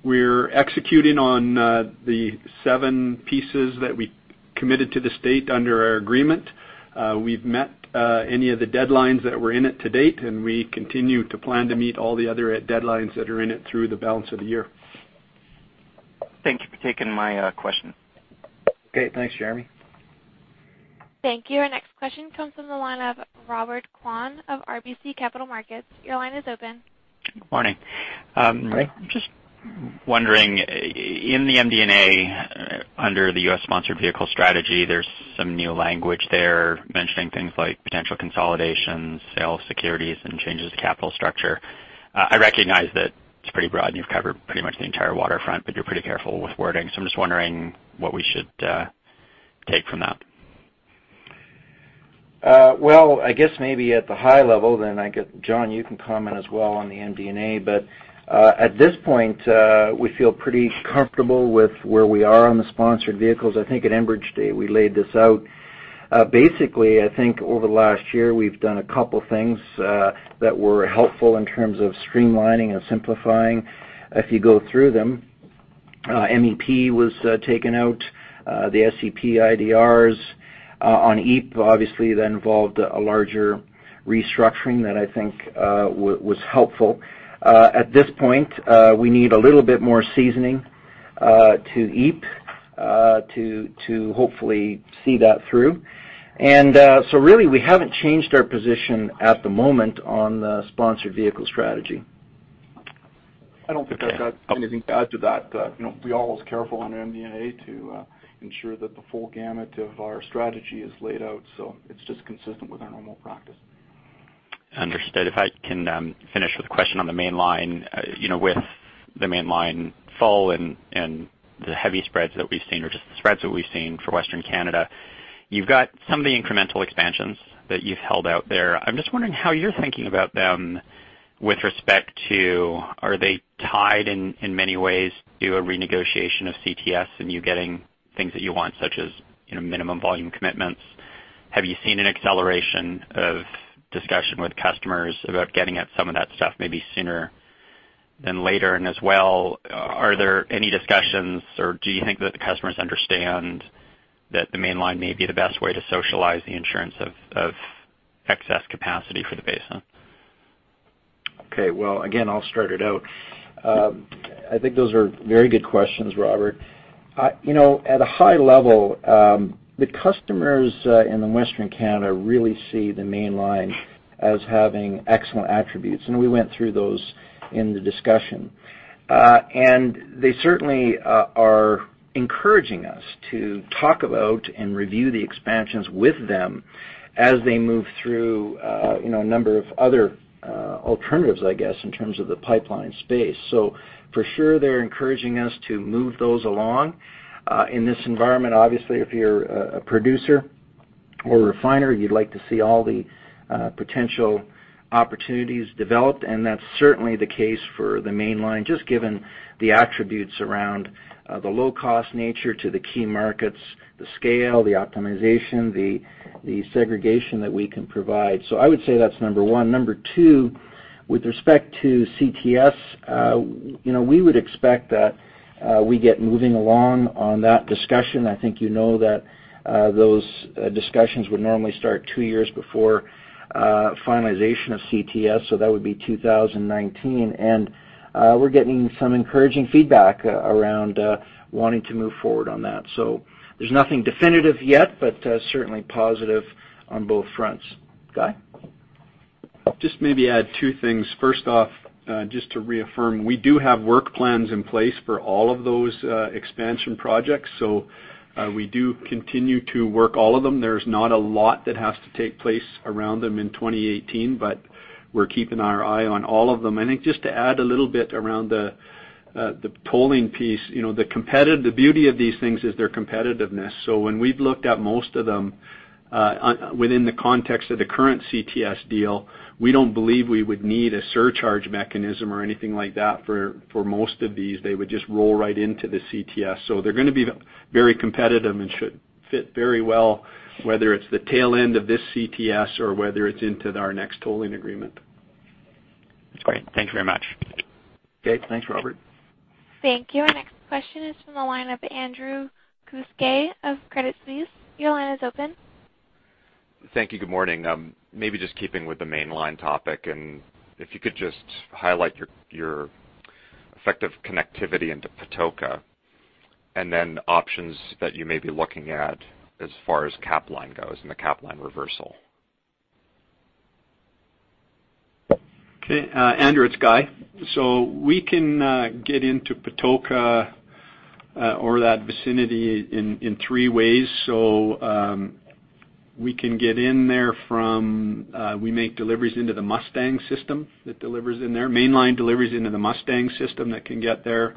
We're executing on the seven pieces that we committed to the state under our agreement. We've met any of the deadlines that were in it to date, and we continue to plan to meet all the other deadlines that are in it through the balance of the year. Thank you for taking my question. Okay. Thanks, Jeremy. Thank you. Our next question comes from the line of Robert Kwan of RBC Capital Markets. Your line is open. Morning. Hi. Just wondering, in the MD&A, under the US sponsored vehicle strategy, there's some new language there mentioning things like potential consolidations, sale of securities, and changes to capital structure. I recognize that it's pretty broad and you've covered pretty much the entire waterfront, but you're pretty careful with wording. I'm just wondering what we should take from that. John, you can comment as well on the MD&A. At this point, we feel pretty comfortable with where we are on the sponsored vehicles. I think at Enbridge Day, we laid this out. Basically, I think over the last year, we've done a couple things that were helpful in terms of streamlining and simplifying. If you go through them, MEP was taken out, the SEP IDRs on EEP, obviously, that involved a larger restructuring that I think was helpful. At this point, we need a little bit more seasoning to EEP to hopefully see that through. Really, we haven't changed our position at the moment on the sponsored vehicle strategy. I don't think I've got anything to add to that. You know, we're always careful on our MD&A to ensure that the full gamut of our strategy is laid out, so it's just consistent with our normal practice. Understood. If I can finish with a question on the Mainline. You know, with the Mainline fall and the heavy spreads that we've seen or just the spreads that we've seen for Western Canada, you've got some of the incremental expansions that you've held out there. I'm just wondering how you're thinking about them with respect to are they tied in many ways to a renegotiation of CTS and you getting things that you want, such as, you know, minimum volume commitments? Have you seen an acceleration of discussion with customers about getting at some of that stuff maybe sooner than later? As well, are there any discussions or do you think that the customers understand that the Mainline may be the best way to socialize the insurance of excess capacity for the basin? Okay. Well, again, I'll start it out. I think those are very good questions, Robert. You know, at a high level, the customers in Western Canada really see the Mainline as having excellent attributes, and we went through those in the discussion. And they certainly are encouraging us to talk about and review the expansions with them as they move through, you know, a number of other alternatives, I guess, in terms of the pipeline space. For sure, they're encouraging us to move those along. In this environment, obviously, if you're a producer or refiner, you'd like to see all the potential opportunities developed, and that's certainly the case for the Mainline, just given the attributes around the low-cost nature to the key markets, the scale, the optimization, the segregation that we can provide. I would say that's number one. Number two, with respect to CTS, we would expect that we get moving along on that discussion. I think that those discussions would normally start two years before finalization of CTS, so that would be 2019. We're getting some encouraging feedback around wanting to move forward on that. There's nothing definitive yet, but certainly positive on both fronts. Guy? Just maybe add two things. First off, just to reaffirm, we do have work plans in place for all of those expansion projects, so we do continue to work all of them. There's not a lot that has to take place around them in 2018, but we're keeping our eye on all of them. I think just to add a little bit around the tolling piece, you know, the beauty of these things is their competitiveness. When we've looked at most of them, within the context of the current CTS deal, we don't believe we would need a surcharge mechanism or anything like that for most of these. They would just roll right into the CTS. They're gonna be very competitive and should fit very well, whether it's the tail end of this CTS or whether it's into our next tolling agreement. Great. Thank you very much. Okay. Thanks, Robert. Thank you. Our next question is from the line of Andrew Kuske of Credit Suisse. Your line is open. Thank you. Good morning. If you could just highlight your effective connectivity into Patoka and then options that you may be looking at as far as Capline goes and the Capline reversal. Okay. Andrew, it's Guy. We can get into Patoka or that vicinity in three ways. We can get in there from, we make deliveries into the Mustang system that delivers in there. Mainline deliveries into the Mustang system that can get there.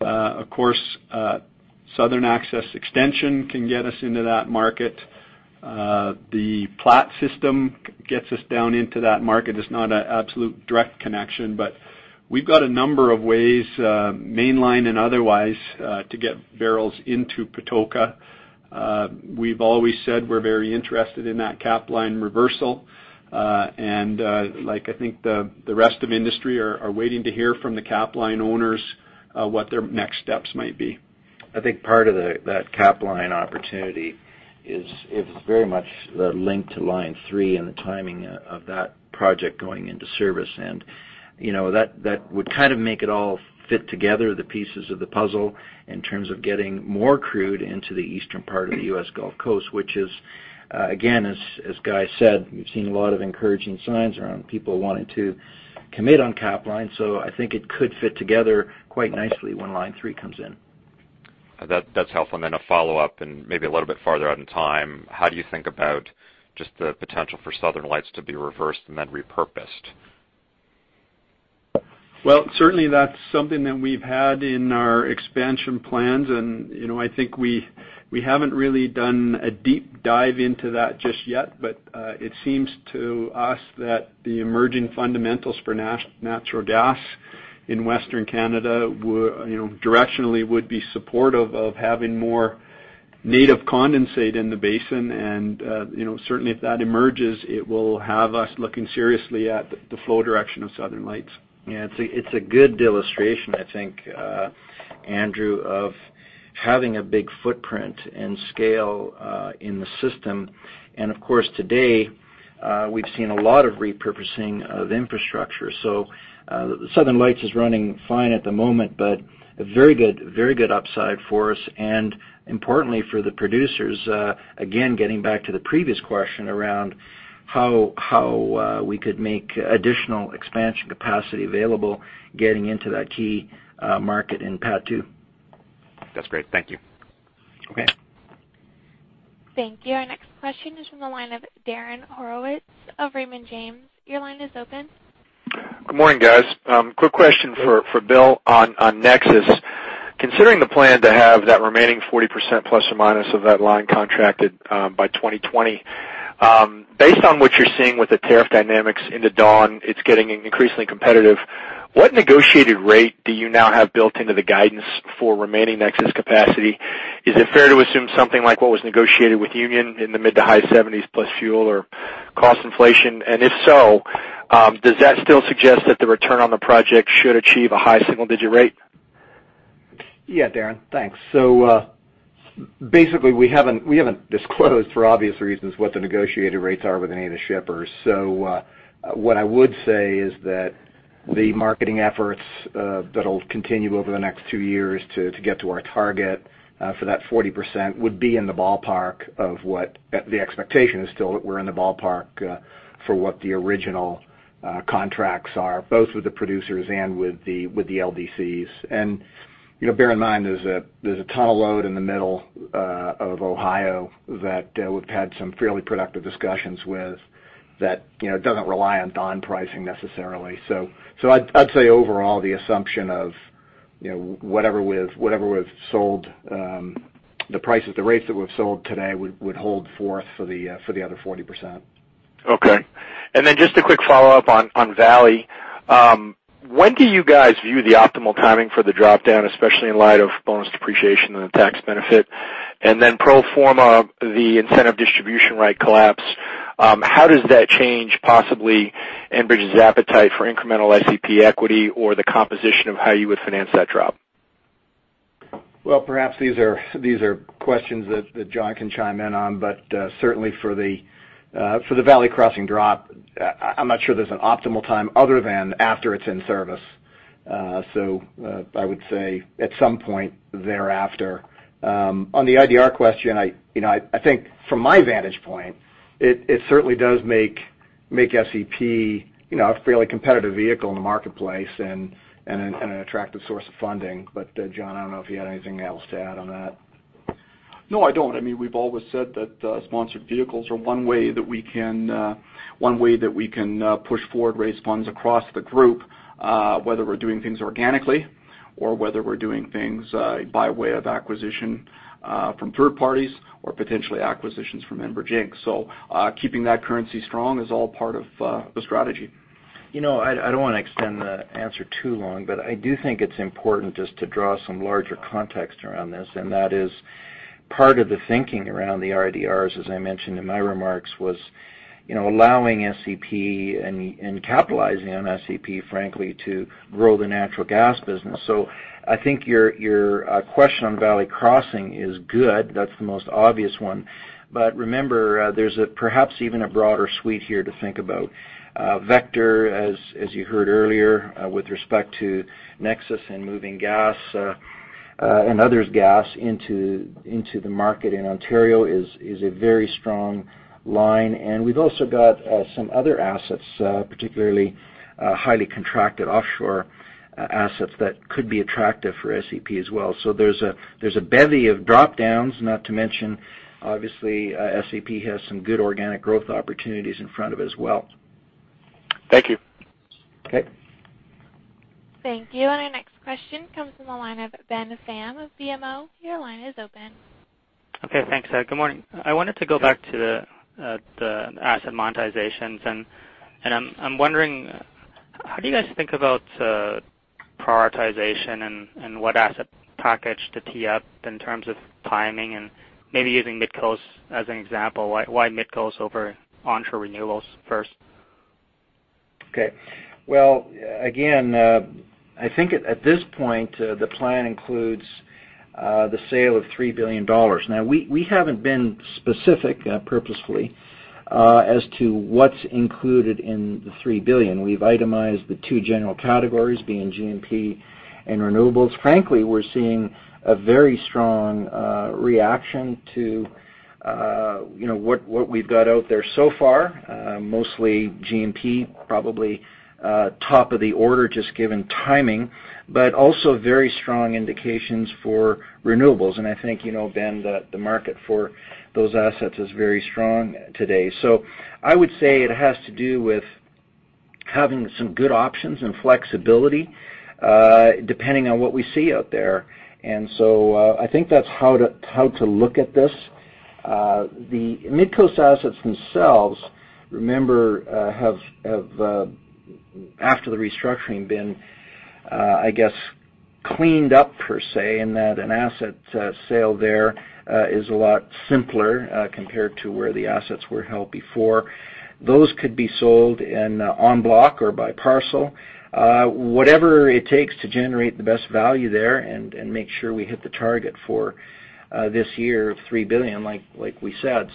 Of course, Southern Access Extension can get us into that market. The Platte system gets us down into that market. It's not a absolute direct connection, but we've got a number of ways, Mainline and otherwise, to get barrels into Patoka. We've always said we're very interested in that Capline reversal. Like, I think the rest of industry are waiting to hear from the Capline owners what their next steps might be. I think part of that Capline opportunity is very much the link to Line-3 and the timing of that project going into service. You know, that would kind of make it all fit together, the pieces of the puzzle, in terms of getting more crude into the eastern part of the US Gulf Coast, which is again, as Guy said, we've seen a lot of encouraging signs around people wanting to commit on Capline. I think it could fit together quite nicely when Line-3 comes in. That's helpful. A follow-up, and maybe a little bit farther out in time, how do you think about just the potential for Southern Lights to be reversed and then repurposed? Well, certainly that's something that we've had in our expansion plans. You know, I think we haven't really done a deep dive into that just yet, but it seems to us that the emerging fundamentals for natural gas in Western Canada would, you know, directionally would be supportive of having more native condensate in the basin. You know, certainly if that emerges, it will have us looking seriously at the flow direction of Southern Lights. Yeah. It's a, it's a good illustration, I think, Andrew, of having a big footprint and scale in the system. Of course, today, we've seen a lot of repurposing of infrastructure. Southern Lights is running fine at the moment, but a very good upside for us and importantly for the producers, again, getting back to the previous question around how we could make additional expansion capacity available getting into that key market in PADD II. That's great. Thank you. Okay. Thank you. Our next question is from the line of Darren Horowitz of Raymond James. Your line is open. Good morning, guys. Quick question for Bill on NEXUS. Considering the plan to have that remaining 40% plus or minus of that line contracted by 2020, based on what you're seeing with the tariff dynamics into Dawn, it's getting increasingly competitive. What negotiated rate do you now have built into the guidance for remaining NEXUS capacity? Is it fair to assume something like what was negotiated with Union in the mid to high 70s plus fuel or cost inflation? If so, does that still suggest that the return on the project should achieve a high single-digit rate? Darren. Thanks. Basically, we haven't disclosed for obvious reasons what the negotiated rates are with any of the shippers. What I would say is that the marketing efforts that'll continue over the next two years to get to our target for that 40% would be in the ballpark of what the expectation is still that we're in the ballpark for what the original contracts are, both with the producers and with the LDCs. You know, bear in mind, there's a ton of load in the middle of Ohio that we've had some fairly productive discussions with that, you know, doesn't rely on Dawn pricing necessarily. I'd say overall, the assumption of, you know, whatever we've sold, the prices, the rates that we've sold today would hold forth for the other 40%. Okay. Just a quick follow-up on Valley. When do you guys view the optimal timing for the drop-down, especially in light of bonus depreciation and the tax benefit? Pro forma the incentive distribution right collapse, how does that change possibly Enbridge's appetite for incremental SEP equity or the composition of how you would finance that drop? Well, perhaps these are questions that John can chime in on. Certainly for the Valley Crossing drop, I'm not sure there's an optimal time other than after it's in service. I would say at some point thereafter. On the IDR question, I, you know, I think from my vantage point, it certainly does make SEP, you know, a fairly competitive vehicle in the marketplace and an attractive source of funding. John, I don't know if you had anything else to add on that. No, I don't. I mean, we've always said that sponsored vehicles are one way that we can push forward, raise funds across the group, whether we're doing things organically or whether we're doing things by way of acquisition from third parties or potentially acquisitions from Enbridge Inc. Keeping that currency strong is all part of the strategy. You know, I don't wanna extend the answer too long, but I do think it's important just to draw some larger context around this. That is part of the thinking around the IDRs, as I mentioned in my remarks, was, you know, allowing SEP and capitalizing on SEP, frankly, to grow the natural gas business. I think your question on Valley Crossing is good. That's the most obvious one. Remember, perhaps even a broader suite here to think about. Vector, as you heard earlier, with respect to NEXUS and moving gas and others gas into the market in Ontario is a very strong line. We've also got some other assets, particularly highly contracted offshore assets that could be attractive for SEP as well. There's a bevy of drop-downs, not to mention, obviously, SEP has some good organic growth opportunities in front of it as well. Thank you. Okay. Thank you. Our next question comes from the line of Ben Pham of BMO. Your line is open. Okay, thanks. Good morning. I wanted to go back to the asset monetizations. I'm wondering, how do you guys think about prioritization and what asset package to tee up in terms of timing? Maybe using Midcoast as an example, why Midcoast over onshore renewables first? Okay. Well, again, I think at this point, the plan includes the sale of 3 billion dollars. We haven't been specific, purposefully, as to what's included in the 3 billion. We've itemized the two general categories being G&P and renewables. Frankly, we're seeing a very strong reaction to, you know, what we've got out there so far, mostly G&P, probably top of the order just given timing, but also very strong indications for renewables. I think, you know, Ben, the market for those assets is very strong today. I would say it has to do with having some good options and flexibility, depending on what we see out there. I think that's how to look at this. The Midcoast assets themselves, remember, have after the restructuring been, I guess, cleaned up per se, in that an asset sale there is a lot simpler compared to where the assets were held before. Those could be sold in en bloc or by parcel. Whatever it takes to generate the best value there and make sure we hit the target for this year of 3 billion like we said.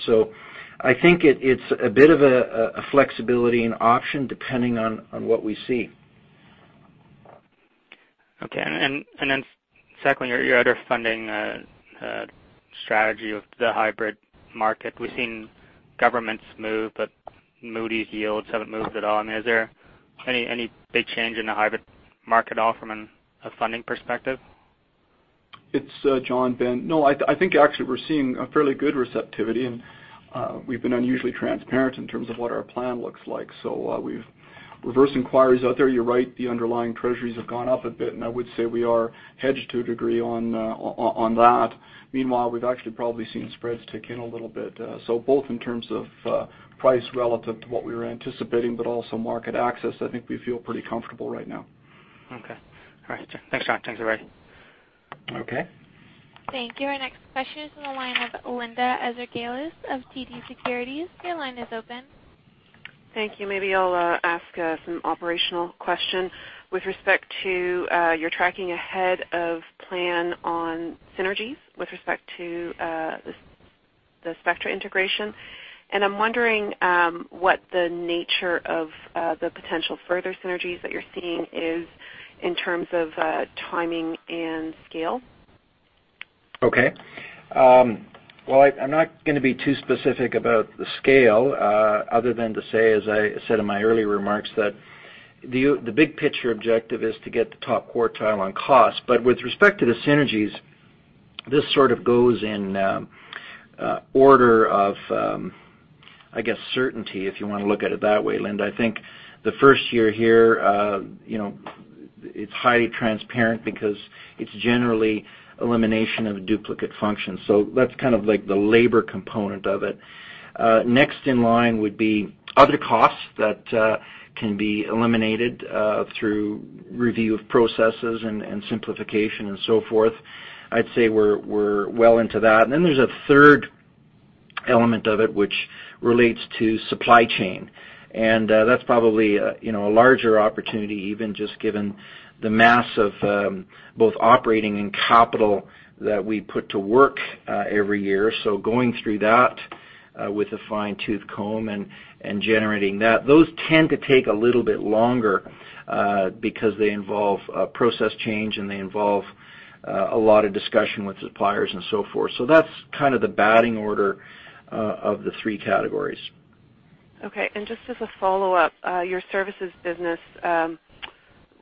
I think it's a bit of a flexibility and option depending on what we see. Okay. Then secondly, your other funding strategy of the hybrid market. We've seen governments move. Moody's yields haven't moved at all. I mean, is there any big change in the hybrid market at all from a funding perspective? It's John, Ben. I think actually we're seeing a fairly good receptivity, and we've been unusually transparent in terms of what our plan looks like. We've reverse inquiries out there. You're right, the underlying treasuries have gone up a bit, and I would say we are hedged to a degree on that. Meanwhile, we've actually probably seen spreads tick in a little bit. Both in terms of price relative to what we were anticipating, but also market access, I think we feel pretty comfortable right now. Okay. All right. Thanks, John. Thanks, everybody. Okay. Thank you. Our next question is from the line of Linda Ezergailis of TD Securities. Your line is open. Thank you. Maybe I'll ask some operational question with respect to your tracking ahead of plan on synergies with respect to the Spectra integration. I'm wondering what the nature of the potential further synergies that you're seeing is in terms of timing and scale. Okay. Well, I'm not gonna be too specific about the scale, other than to say, as I said in my earlier remarks, that the big-picture objective is to get the top quartile on cost. With respect to the synergies, this sort of goes in order of, I guess, certainty, if you wanna look at it that way, Linda. I think the first year here, you know, it's highly transparent because it's generally elimination of duplicate functions. That's kind of like the labor component of it. Next in line would be other costs that can be eliminated through review of processes and simplification and so forth. I'd say we're well into that. Then there's a third element of it, which relates to supply chain. That's probably, you know, a larger opportunity even just given the mass of both operating and capital that we put to work every year. Going through that with a fine-tooth comb and generating that. Those tend to take a little bit longer because they involve a process change, and they involve a lot of discussion with suppliers and so forth. That's kind of the batting order of the three categories. Okay. Just as a follow-up, your services business,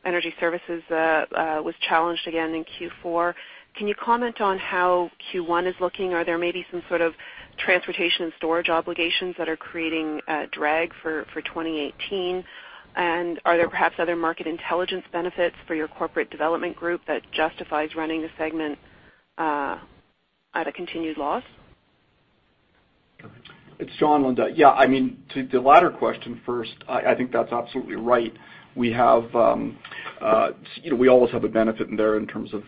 energy services, was challenged again in Q4. Can you comment on how Q1 is looking? Are there maybe some sort of transportation and storage obligations that are creating drag for 2018? Are there perhaps other market intelligence benefits for your corporate development group that justifies running the segment at a continued loss? It's John, Linda. I mean, to the latter question first, I think that's absolutely right. We have, you know, we always have a benefit in there in terms of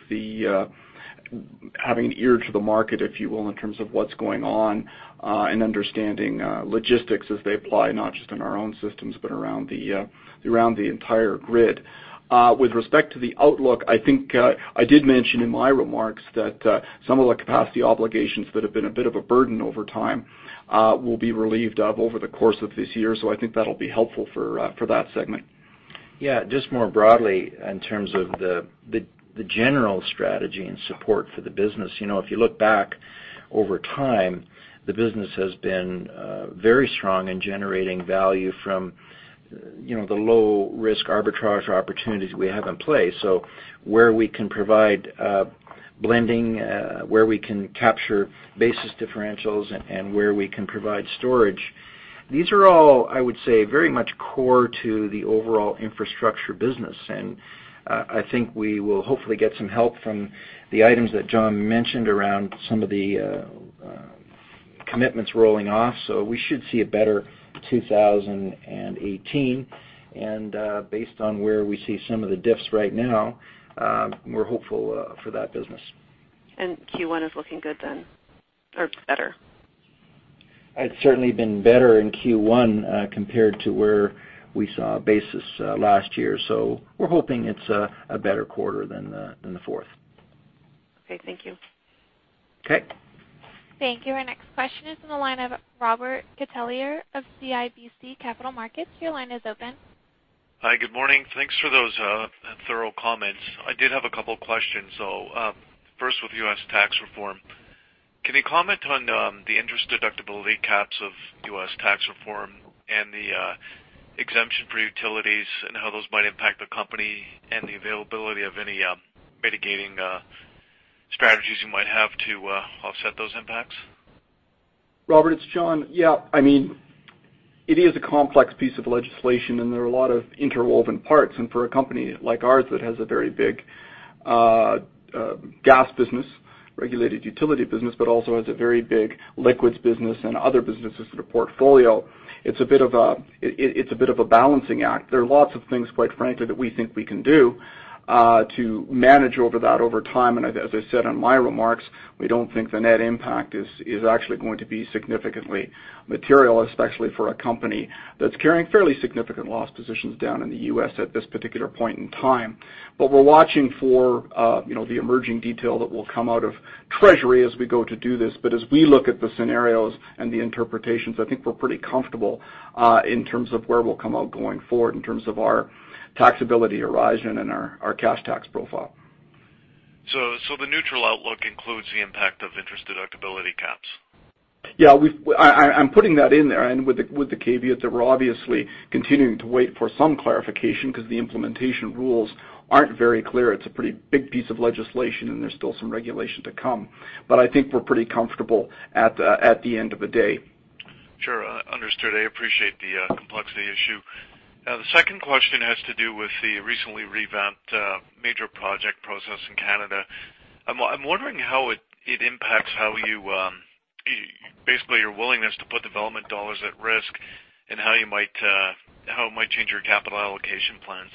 having an ear to the market, if you will, in terms of what's going on and understanding logistics as they apply not just in our own systems, but around the entire grid. With respect to the outlook, I think I did mention in my remarks that some of the capacity obligations that have been a bit of a burden over time will be relieved of over the course of this year. I think that'll be helpful for that segment. Yeah, just more broadly in terms of the general strategy and support for the business. You know, if you look back over time, the business has been very strong in generating value from, you know, the low-risk arbitrage opportunities we have in place. Where we can provide blending, where we can capture basis differentials and where we can provide storage. These are all, I would say, very much core to the overall infrastructure business. I think we will hopefully get some help from the items that John mentioned around some of the commitments rolling off. We should see a better 2018. Based on where we see some of the diffs right now, we're hopeful for that business. Q1 is looking good then or better? It's certainly been better in Q1, compared to where we saw basis, last year. We're hoping it's a better quarter than the fourth. Okay. Thank you. Okay. Thank you. Our next question is on the line of Robert Catellier of CIBC Capital Markets. Your line is open. Hi, good morning. Thanks for those thorough comments. I did have a couple questions, though. First with US tax reform. Can you comment on the interest deductibility caps of US tax reform and the exemption for utilities and how those might impact the company and the availability of any mitigating strategies you might have to offset those impacts? Robert, it's John. Yeah, I mean, it is a complex piece of legislation, and there are a lot of interwoven parts. For a company like ours that has a very big gas business, regulated utility business, but also has a very big liquids business and other businesses in a portfolio, it's a bit of a balancing act. There are lots of things, quite frankly, that we think we can do to manage over that over time. As I said in my remarks, we don't think the net impact is actually going to be significantly material, especially for a company that's carrying fairly significant loss positions down in the US at this particular point in time. We're watching for, you know, the emerging detail that will come out of Treasury as we go to do this. As we look at the scenarios and the interpretations, I think we're pretty comfortable, in terms of where we'll come out going forward in terms of our taxability horizon and our cash tax profile. The neutral outlook includes the impact of interest deductibility caps? Yeah, I'm putting that in there and with the caveat that we're obviously continuing to wait for some clarification 'cause the implementation rules aren't very clear. It's a pretty big piece of legislation, and there's still some regulation to come. I think we're pretty comfortable at the, at the end of the day. Sure. understood. I appreciate the complexity issue. The second question has to do with the recently revamped major project process in Canada. I'm wondering how it impacts how you basically your willingness to put development dollars at risk and how it might change your capital allocation plans.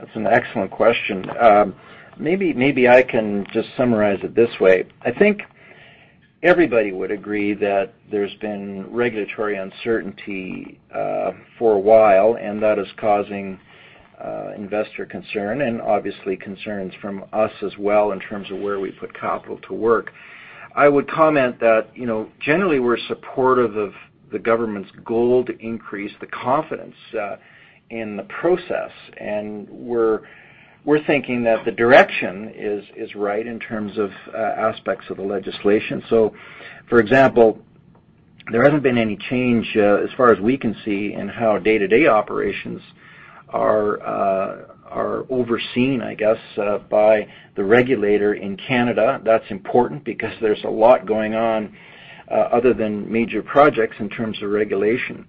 That's an excellent question. Maybe I can just summarize it this way. I think everybody would agree that there's been regulatory uncertainty for a while, and that is causing investor concern and obviously concerns from us as well in terms of where we put capital to work. I would comment that, you know, generally, we're supportive of the government's goal to increase the confidence in the process, and we're thinking that the direction is right in terms of aspects of the legislation. For example, there hasn't been any change as far as we can see in how day-to-day operations are overseen, I guess, by the regulator in Canada. That's important because there's a lot going on other than major projects in terms of regulation.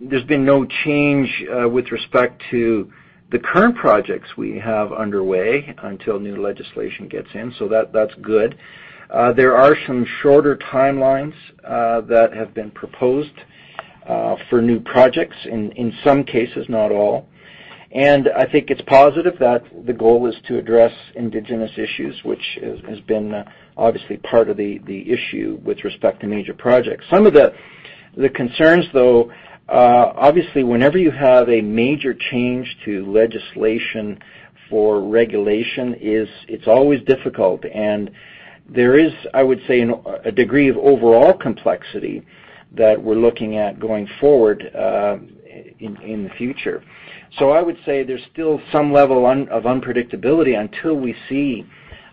There's been no change with respect to the current projects we have underway until new legislation gets in. There are some shorter timelines that have been proposed for new projects in some cases, not all. I think it's positive that the goal is to address indigenous issues, which has been obviously part of the issue with respect to major projects. Some of the concerns, though, obviously, whenever you have a major change to legislation for regulation is it's always difficult. There is, I would say, a degree of overall complexity that we're looking at going forward in the future. I would say there's still some level of unpredictability until we see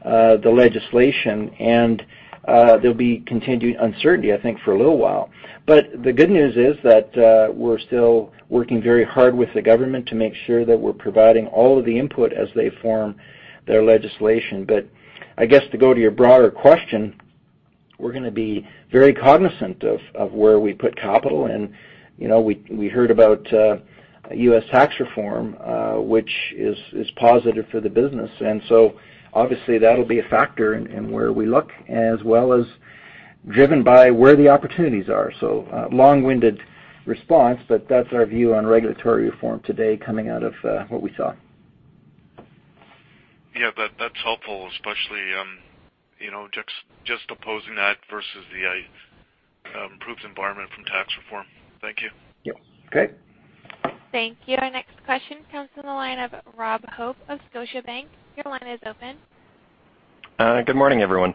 the legislation and there'll be continued uncertainty, I think, for a little while. The good news is that we're still working very hard with the government to make sure that we're providing all of the input as they form their legislation. I guess to go to your broader question, we're gonna be very cognizant of where we put capital and, you know, we heard about US tax reform, which is positive for the business. Obviously that'll be a factor in where we look as well as driven by where the opportunities are. Long-winded response, but that's our view on regulatory reform today coming out of what we saw. Yeah. That's helpful, especially, you know, just opposing that versus the improved environment from tax reform. Thank you. Yep. Great. Thank you. Our next question comes from the line of Rob Hope of Scotiabank. Your line is open. Good morning, everyone.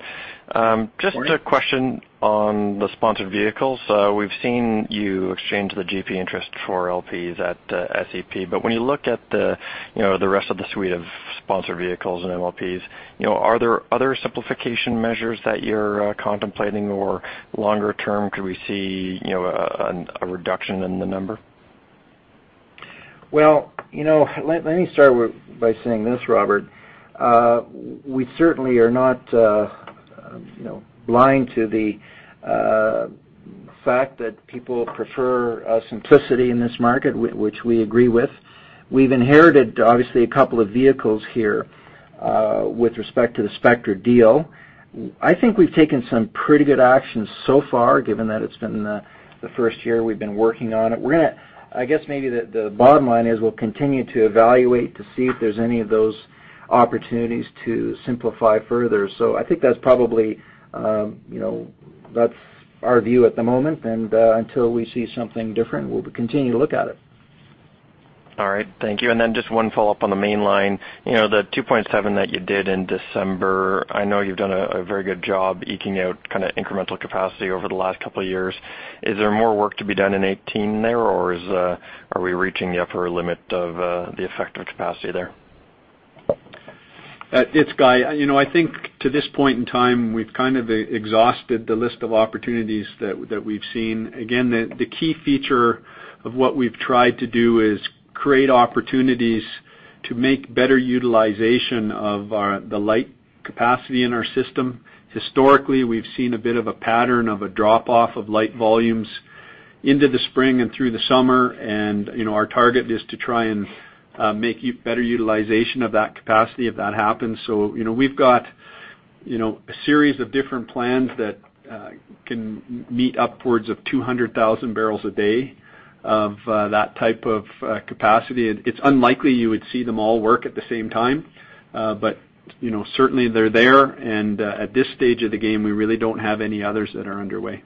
Morning. Just a question on the sponsored vehicles. We've seen you exchange the GP interest for LPs at SEP. When you look at the rest of the suite of sponsored vehicles and MLPs, are there other simplification measures that you're contemplating? Longer term, could we see a reduction in the number? Well, you know, let me start by saying this, Robert. We certainly are not, you know, blind to the fact that people prefer simplicity in this market, which we agree with. We've inherited, obviously, a couple of vehicles here, with respect to the Spectra deal. I think we've taken some pretty good actions so far, given that it's been the first year we've been working on it. We're gonna I guess maybe the bottom line is we'll continue to evaluate to see if there's any of those opportunities to simplify further. I think that's probably, you know, that's our view at the moment. Until we see something different, we'll continue to look at it. All right. Thank you. Then just one follow-up on the Mainline. You know, the 2.7 that you did in December, I know you've done a very good job eking out kind of incremental capacity over the last couple years. Is there more work to be done in 2018 there, or are we reaching the upper limit of the effective capacity there? It's Guy. You know, I think to this point in time, we've kind of exhausted the list of opportunities that we've seen. Again, the key feature of what we've tried to do is create opportunities to make better utilization of the light capacity in our system. Historically, we've seen a bit of a pattern of a drop-off of light volumes into the spring and through the summer. You know, our target is to try and make better utilization of that capacity if that happens. You know, we've got, you know, a series of different plans that can meet upwards of 200,000 barrels a day of that type of capacity. It's unlikely you would see them all work at the same time. You know, certainly they're there. At this stage of the game, we really don't have any others that are underway.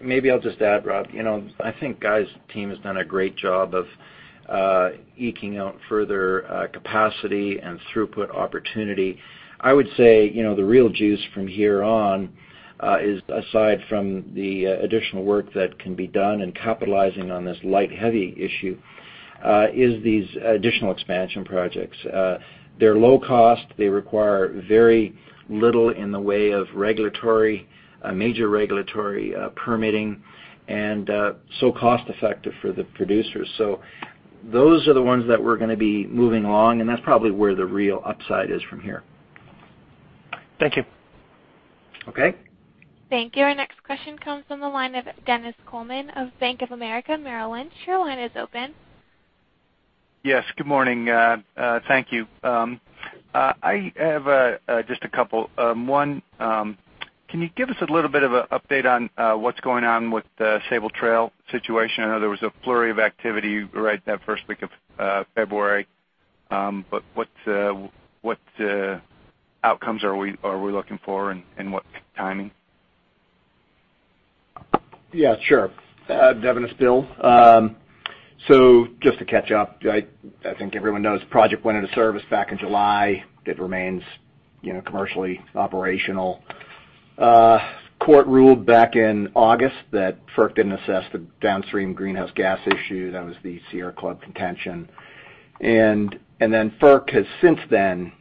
Maybe I'll just add, Rob. You know, I think Guy's team has done a great job of eking out further capacity and throughput opportunity. I would say, you know, the real juice from here on is aside from the additional work that can be done in capitalizing on this light-heavy issue, is these additional expansion projects. They're low cost. They require very little in the way of regulatory, major regulatory permitting and so cost-effective for the producers. Those are the ones that we're gonna be moving along, and that's probably where the real upside is from here. Thank you. Okay. Thank you. Our next question comes from the line of Dennis Coleman of Bank of America Merrill Lynch. Your line is open. Yes. Good morning. Thank you. I have just a couple. One, can you give us a little bit of a update on what's going on with the Sabal Trail situation? I know there was a flurry of activity right that first week of February. What outcomes are we looking for and what timing? Yeah, sure Dennis. Still, just to catch up, I think everyone knows the project went into service back in July. It remains, you know, commercially operational. Court ruled back in August that FERC didn't assess the downstream greenhouse gas issue. That was the Sierra Club contention. Then FERC has since then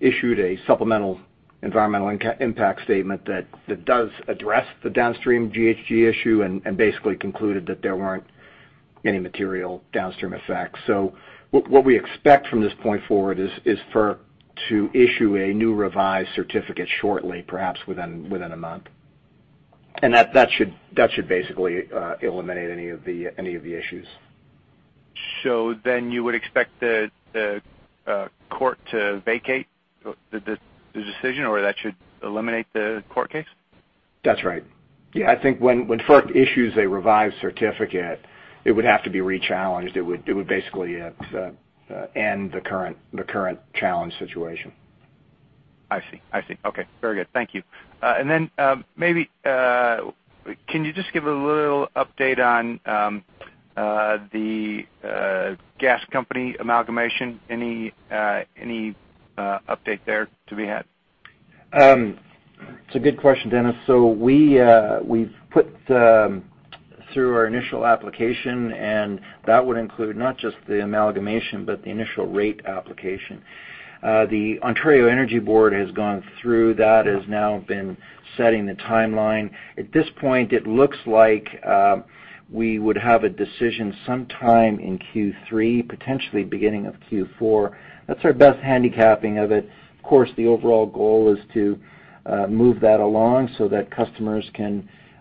issued a supplemental environmental impact statement that does address the downstream GHG issue and basically concluded that there weren't any material downstream effects. What we expect from this point forward is for to issue a new revised certificate shortly, perhaps within a month. That should basically eliminate any of the issues. You would expect the court to vacate the decision or that should eliminate the court case? That's right. Yeah, I think when FERC issues a revised certificate, it would have to be rechallenged. It would basically end the current challenge situation. I see. I see. Okay. Very good. Thank you. Then, maybe, can you just give a little update on the gas company amalgamation? Any update there to be had? It's a good question, Dennis. We've put through our initial application, that would include not just the amalgamation, but the initial rate application. The Ontario Energy Board has gone through that, has now been setting the timeline. At this point, it looks like, we would have a decision sometime in Q3, potentially beginning of Q4. That's our best handicapping of it. Of course, the overall goal is to move that along so that customers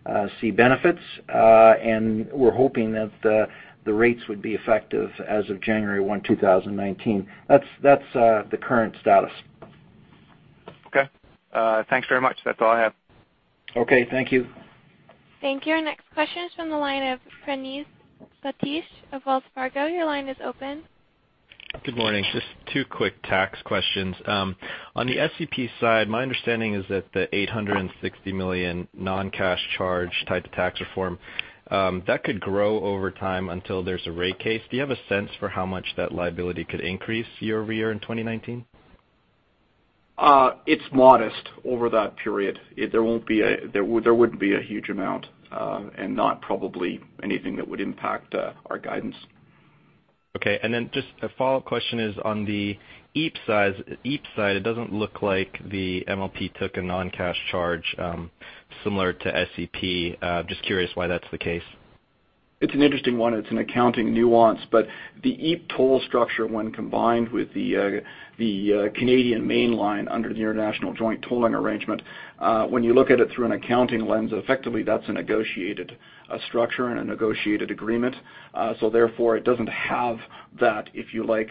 can see benefits. We're hoping that the rates would be effective as of 1 January 2019. That's the current status. Okay. Thanks very much. That's all I have. Okay, thank you. Thank you. Our next question is from the line of Praneeth Satish of Wells Fargo. Your line is open. Good morning. Just two quick tax questions. On the SEP side, my understanding is that the 860 million non-cash charge tied to tax reform, that could grow over time until there's a rate case. Do you have a sense for how much that liability could increase year-over-year in 2019? It's modest over that period. There wouldn't be a huge amount, and not probably anything that would impact our guidance. Okay. Just a follow-up question is on the EEP side, it doesn't look like the MLP took a non-cash charge, similar to SEP. Just curious why that's the case. It's an interesting one. It's an accounting nuance. The EEP toll structure when combined with the Canadian Mainline under the International Joint Tolling Arrangement, when you look at it through an accounting lens, effectively, that's a negotiated structure and a negotiated agreement. Therefore, it doesn't have that, if you like,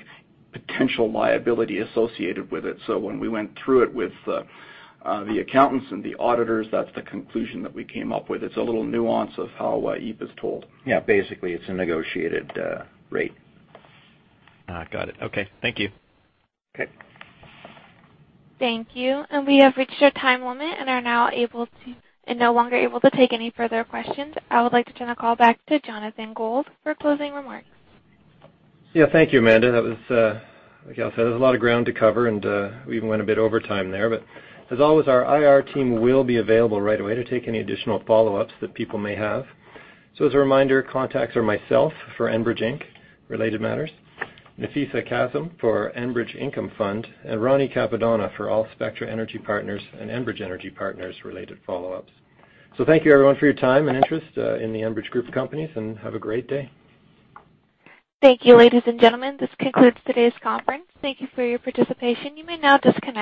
potential liability associated with it. When we went through it with the accountants and the auditors, that's the conclusion that we came up with. It's a little nuance of how EEP is tolled. Basically, it's a negotiated rate. Got it. Okay. Thank you. Okay. Thank you. We have reached our time limit and are no longer able to take any further questions. I would like to turn the call back to Jonathan Gould for closing remarks. Yeah. Thank you, Amanda. That was, Like I said, there's a lot of ground to cover, and we even went a bit over time there. As always, our IR team will be available right away to take any additional follow-ups that people may have. As a reminder, contacts are myself for Enbridge Inc. related matters, Nafeesa Kassam for Enbridge Income Fund, and Roni Cappadonna for all Spectra Energy Partners and Enbridge Energy Partners related follow-ups. Thank you, everyone, for your time and interest in the Enbridge Group of Companies, and have a great day. Thank you, ladies and gentlemen. This concludes today's conference. Thank you for your participation. You may now disconnect.